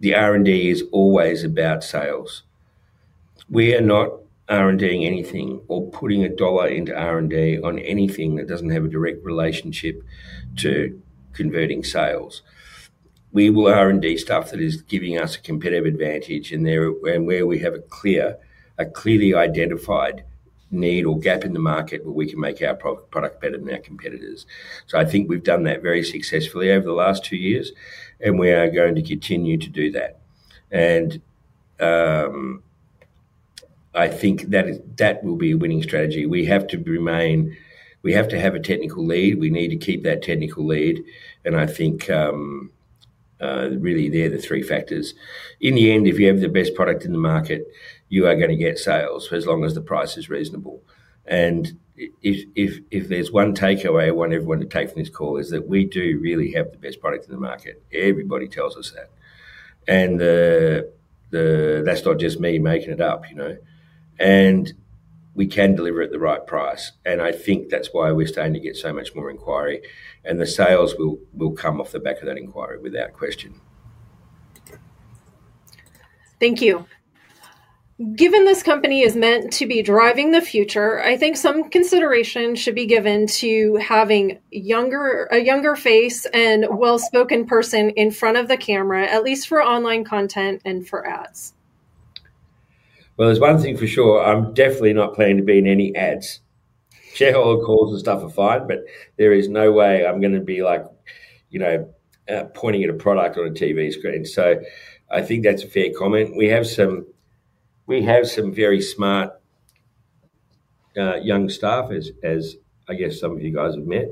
the R&D is always about sales. We are not R&Ding anything or putting a dollar into R&D on anything that does not have a direct relationship to converting sales. We will R&D stuff that is giving us a competitive advantage and where we have a clearly identified need or gap in the market where we can make our product better than our competitors. I think we have done that very successfully over the last two years, and we are going to continue to do that. I think that will be a winning strategy. We have to have a technical lead. We need to keep that technical lead. I think really they are the three factors. In the end, if you have the best product in the market, you are going to get sales as long as the price is reasonable. If there is one takeaway I want everyone to take from this call, it is that we do really have the best product in the market. Everybody tells us that. That is not just me making it up. We can deliver at the right price. I think that is why we are starting to get so much more inquiry. The sales will come off the back of that inquiry without question. Thank you. Given this company is meant to be driving the future, I think some consideration should be given to having a younger face and well-spoken person in front of the camera, at least for online content and for ads. There is one thing for sure. I'm definitely not planning to be in any ads. Shareholder calls and stuff are fine, but there is no way I'm going to be pointing at a product on a TV screen. I think that's a fair comment. We have some very smart young staff, as I guess some of you guys have met.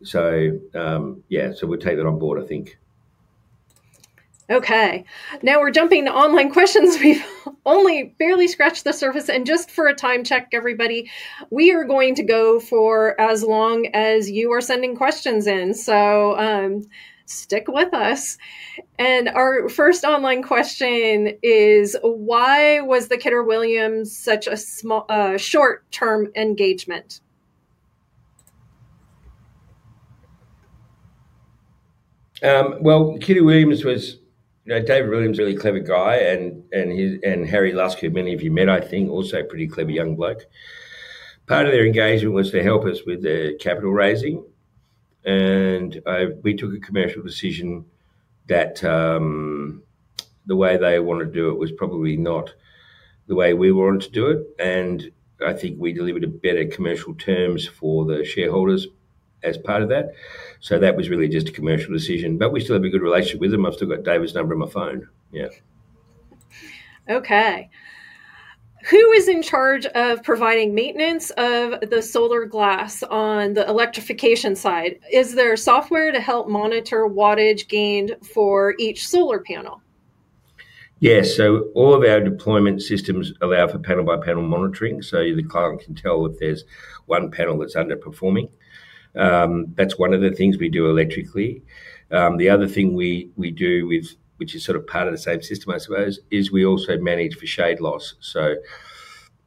Yeah, we'll take that on board, I think. Okay. Now we're jumping to online questions. We've only barely scratched the surface. And just for a time check, everybody, we are going to go for as long as you are sending questions in. So stick with us. Our first online question is, why was the Kidder Williams such a short-term engagement? Kidder Williams was David Williams is a really clever guy. Harry Lusk, who many of you met, I think, also a pretty clever young bloke. Part of their engagement was to help us with the capital raising. We took a commercial decision that the way they wanted to do it was probably not the way we wanted to do it. I think we delivered a better commercial terms for the shareholders as part of that. That was really just a commercial decision. We still have a good relationship with them. I've still got David's number on my phone. Yeah. Okay. Who is in charge of providing maintenance of the solar glass on the electrification side? Is there software to help monitor wattage gained for each solar panel? Yes. All of our deployment systems allow for panel-by-panel monitoring. The client can tell if there is one panel that is underperforming. That is one of the things we do electrically. The other thing we do, which is sort of part of the same system, I suppose, is we also manage for shade loss.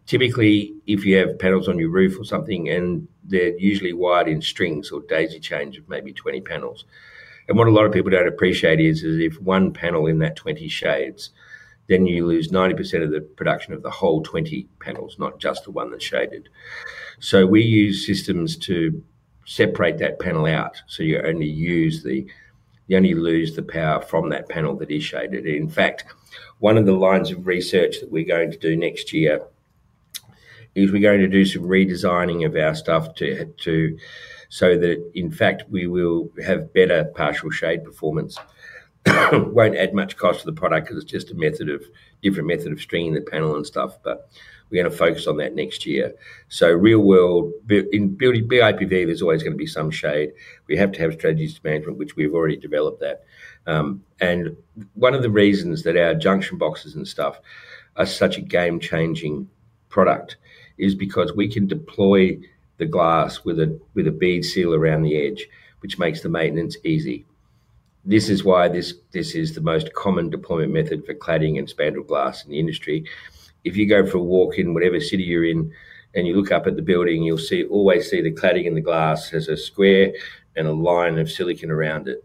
Typically, if you have panels on your roof or something, they are usually wired in strings or daisy-chained with maybe 20 panels. What a lot of people do not appreciate is if one panel in that 20 shades, then you lose 90% of the production of the whole 20 panels, not just the one that is shaded. We use systems to separate that panel out. You only lose the power from that panel that is shaded. In fact, one of the lines of research that we're going to do next year is we're going to do some redesigning of our stuff so that, in fact, we will have better partial shade performance. It won't add much cost to the product because it's just a different method of stringing the panel and stuff. We are going to focus on that next year. Real-world, in BIPV, there's always going to be some shade. We have to have strategies to manage it, which we've already developed. One of the reasons that our junction boxes and stuff are such a game-changing product is because we can deploy the glass with a bead seal around the edge, which makes the maintenance easy. This is why this is the most common deployment method for cladding and spandrel glass in the industry. If you go for a walk in whatever city you're in and you look up at the building, you'll always see the cladding and the glass as a square and a line of silicon around it.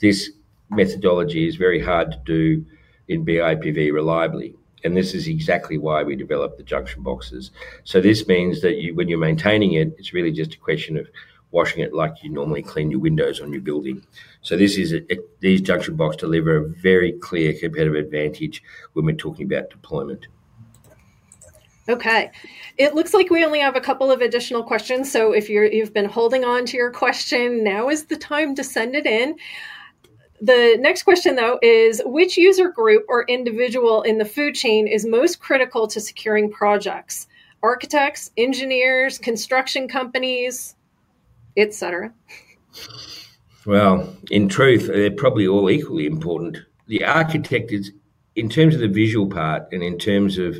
This methodology is very hard to do in BIPV reliably. This is exactly why we developed the junction boxes. This means that when you're maintaining it, it's really just a question of washing it like you normally clean your windows on your building. These junction boxes deliver a very clear competitive advantage when we're talking about deployment. Okay. It looks like we only have a couple of additional questions. If you've been holding on to your question, now is the time to send it in. The next question, though, is, which user group or individual in the food chain is most critical to securing projects? Architects, engineers, construction companies, etc.? In truth, they're probably all equally important. The architect, in terms of the visual part and in terms of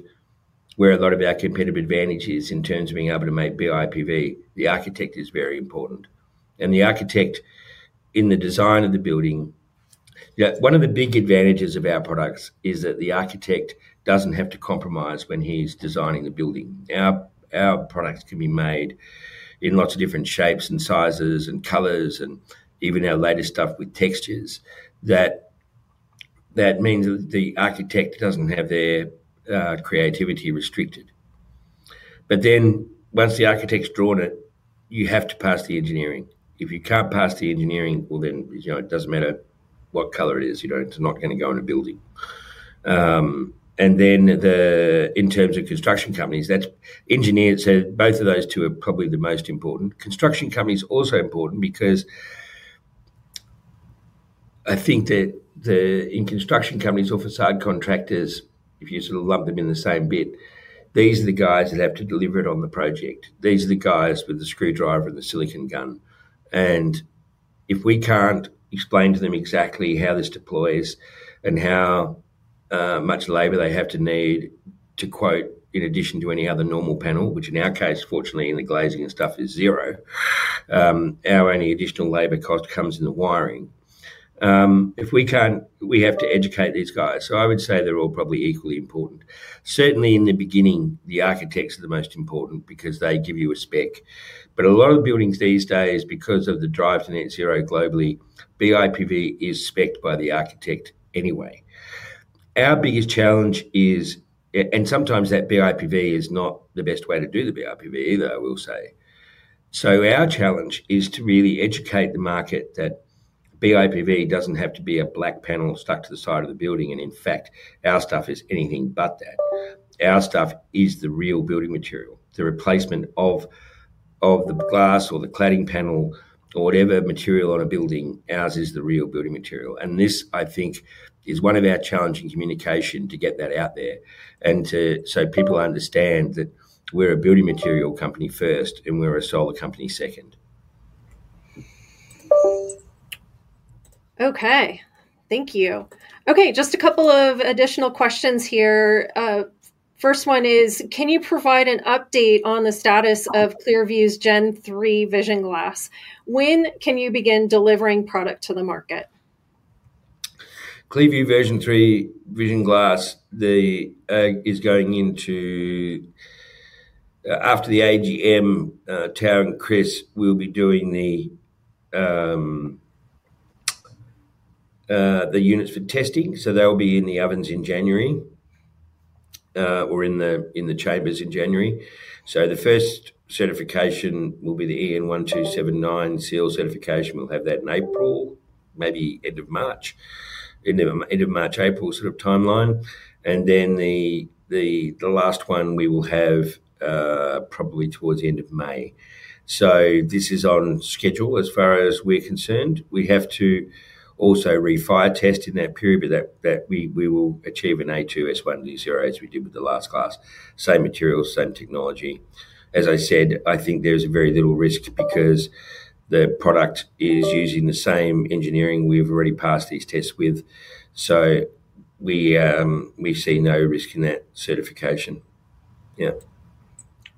where a lot of our competitive advantage is in terms of being able to make BIPV, the architect is very important. The architect in the design of the building, one of the big advantages of our products is that the architect doesn't have to compromise when he's designing the building. Our products can be made in lots of different shapes and sizes and colors and even our latest stuff with textures. That means that the architect doesn't have their creativity restricted. Once the architect's drawn it, you have to pass the engineering. If you can't pass the engineering, it doesn't matter what color it is. It's not going to go in a building. In terms of construction companies, both of those two are probably the most important. Construction company is also important because I think that in construction companies or facade contractors, if you sort of lump them in the same bit, these are the guys that have to deliver it on the project. These are the guys with the screwdriver and the silicon gun. If we can't explain to them exactly how this deploys and how much labor they have to need to quote in addition to any other normal panel, which in our case, fortunately, in the glazing and stuff, is zero, our only additional labor cost comes in the wiring. If we can't, we have to educate these guys. I would say they're all probably equally important. Certainly in the beginning, the architects are the most important because they give you a spec. A lot of buildings these days, because of the drive to net zero globally, BIPV is specced by the architect anyway. Our biggest challenge is, and sometimes that BIPV is not the best way to do the BIPV either, I will say. Our challenge is to really educate the market that BIPV does not have to be a black panel stuck to the side of the building. In fact, our stuff is anything but that. Our stuff is the real building material. The replacement of the glass or the cladding panel or whatever material on a building, ours is the real building material. This, I think, is one of our challenging communications to get that out there so people understand that we are a building material company first and we are a solar company second. Okay. Thank you. Okay. Just a couple of additional questions here. First one is, can you provide an update on the status of ClearVue's Gen 3 Vision Glass? When can you begin delivering product to the market? ClearVue Version 3 Vision Glass, the egg is going into after the AGM, Tau and Chris will be doing the units for testing. They'll be in the ovens in January or in the chambers in January. The first certification will be the EN1279 seal certification. We'll have that in April, maybe end of March, end of March, April sort of timeline. The last one we will have probably towards the end of May. This is on schedule as far as we're concerned. We have to also refire test in that period that we will achieve an A2, S1, Zero as we did with the last glass. Same materials, same technology. As I said, I think there's very little risk because the product is using the same engineering we've already passed these tests with. We see no risk in that certification. Yeah.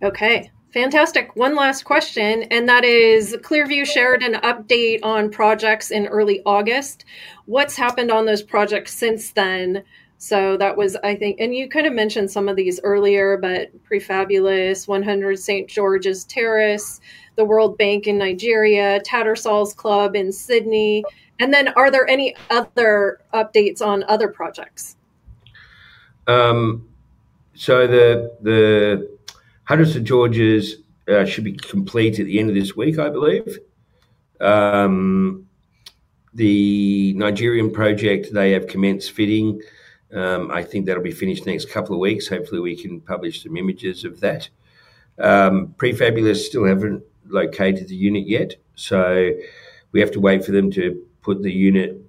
Okay. Fantastic. One last question, and that is, ClearVue shared an update on projects in early August. What's happened on those projects since then? That was, I think, and you kind of mentioned some of these earlier, but Prefabulous, 100 St. George's Terrace, the World Bank in Nigeria, Tattersalls Club in Sydney. Are there any other updates on other projects? The 100 St. George's should be complete at the end of this week, I believe. The Nigerian project, they have commenced fitting. I think that'll be finished next couple of weeks. Hopefully, we can publish some images of that. Prefabulous still haven't located the unit yet. We have to wait for them to put the unit,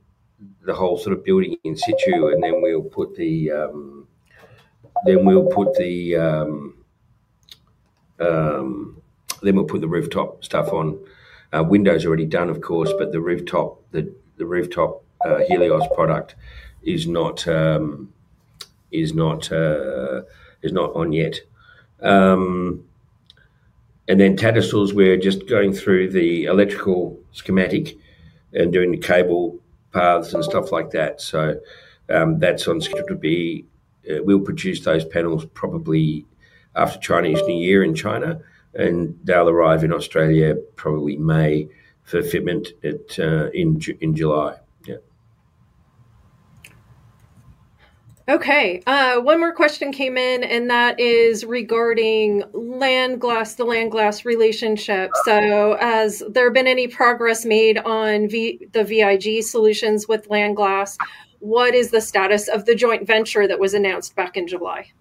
the whole sort of building in situ, and then we'll put the rooftop stuff on. Windows are already done, of course, but the rooftop Helios product is not on yet. Tattersall's, we're just going through the electrical schematic and doing the cable paths and stuff like that. That's on. We'll produce those panels probably after Chinese New Year in China, and they'll arrive in Australia probably May for fitment in July. Yeah. Okay. One more question came in, and that is regarding the LandGlass relationship. Has there been any progress made on the VIG solutions with LandGlass? What is the status of the joint venture that was announced back in July?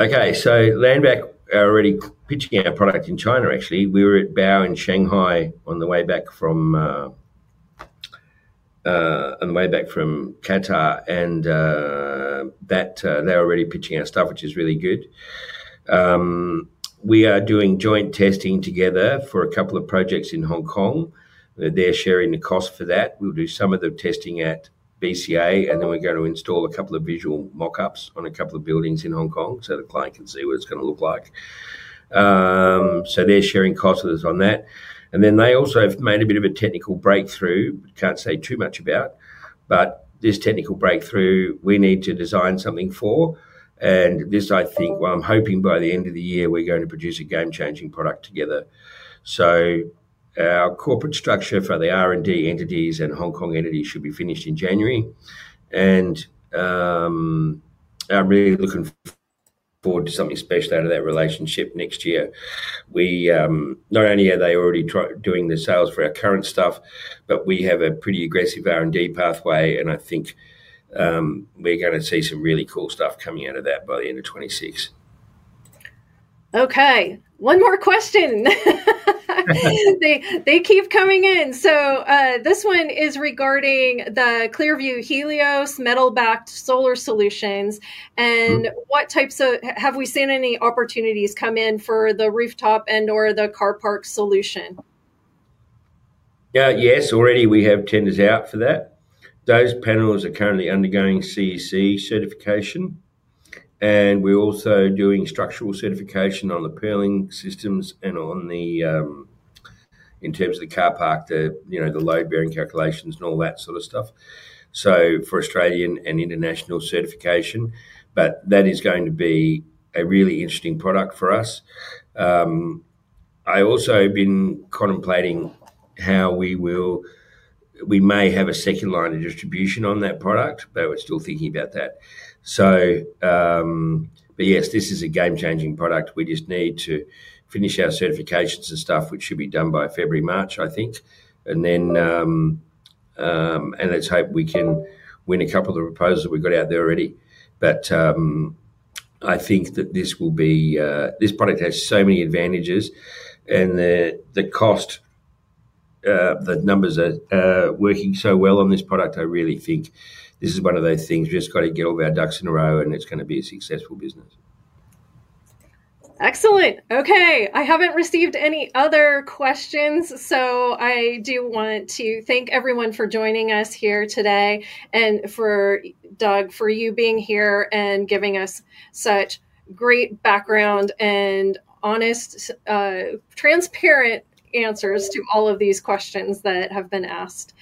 Okay. LandGlass are already pitching our product in China, actually. We were at BAO in Shanghai on the way back from Qatar. They're already pitching our stuff, which is really good. We are doing joint testing together for a couple of projects in Hong Kong. They're sharing the cost for that. We'll do some of the testing at BCA, and then we're going to install a couple of visual mock-ups on a couple of buildings in Hong Kong so the client can see what it's going to look like. They're sharing costs with us on that. They also have made a bit of a technical breakthrough, can't say too much about, but this technical breakthrough we need to design something for. I think, well, I'm hoping by the end of the year we're going to produce a game-changing product together. Our corporate structure for the R&D entities and Hong Kong entities should be finished in January. I'm really looking forward to something special out of that relationship next year. Not only are they already doing the sales for our current stuff, but we have a pretty aggressive R&D pathway, and I think we're going to see some really cool stuff coming out of that by the end of 2026. Okay. One more question. They keep coming in. This one is regarding the ClearVue-Helios metal-backed solar solutions. What types of, have we seen any opportunities come in for the rooftop and/or the car park solution? Yeah. Yes. Already we have tenders out for that. Those panels are currently undergoing CEC certification. And we're also doing structural certification on the purlin systems and in terms of the car park, the load-bearing calculations and all that sort of stuff. For Australian and international certification, that is going to be a really interesting product for us. I also have been contemplating how we may have a second line of distribution on that product, but we're still thinking about that. Yes, this is a game-changing product. We just need to finish our certifications and stuff, which should be done by February, March, I think. Let's hope we can win a couple of the proposals that we've got out there already. I think that this product has so many advantages. The cost, the numbers are working so well on this product, I really think this is one of those things we've just got to get all our ducks in a row, and it's going to be a successful business. Excellent. Okay. I have not received any other questions. I do want to thank everyone for joining us here today and for Doug, for you being here and giving us such great background and honest, transparent answers to all of these questions that have been asked.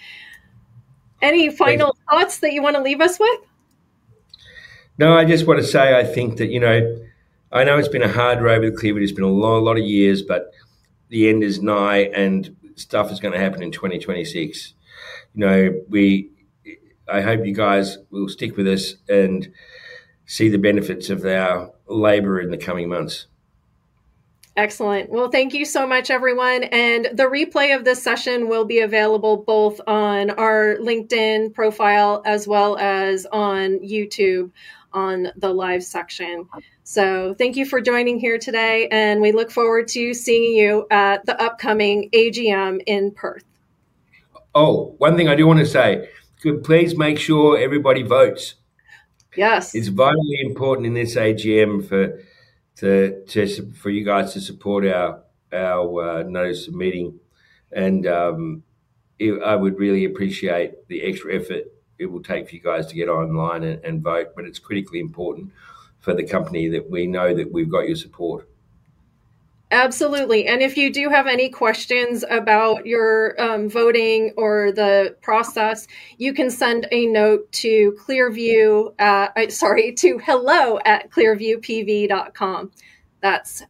Any final thoughts that you want to leave us with? No. I just want to say I think that I know it's been a hard road with ClearVue. It's been a lot of years, but the end is nigh, and stuff is going to happen in 2026. I hope you guys will stick with us and see the benefits of our labor in the coming months. Excellent. Thank you so much, everyone. The replay of this session will be available both on our LinkedIn profile as well as on YouTube on the live section. Thank you for joining here today. We look forward to seeing you at the upcoming AGM in Perth. Oh, one thing I do want to say, please make sure everybody votes. Yes. It's vitally important in this AGM for you guys to support our notice of meeting. I would really appreciate the extra effort it will take for you guys to get online and vote. It's critically important for the company that we know that we've got your support. Absolutely. If you do have any questions about your voting or the process, you can send a note to ClearVue, sorry, to hello@clearvuepv.com. That's.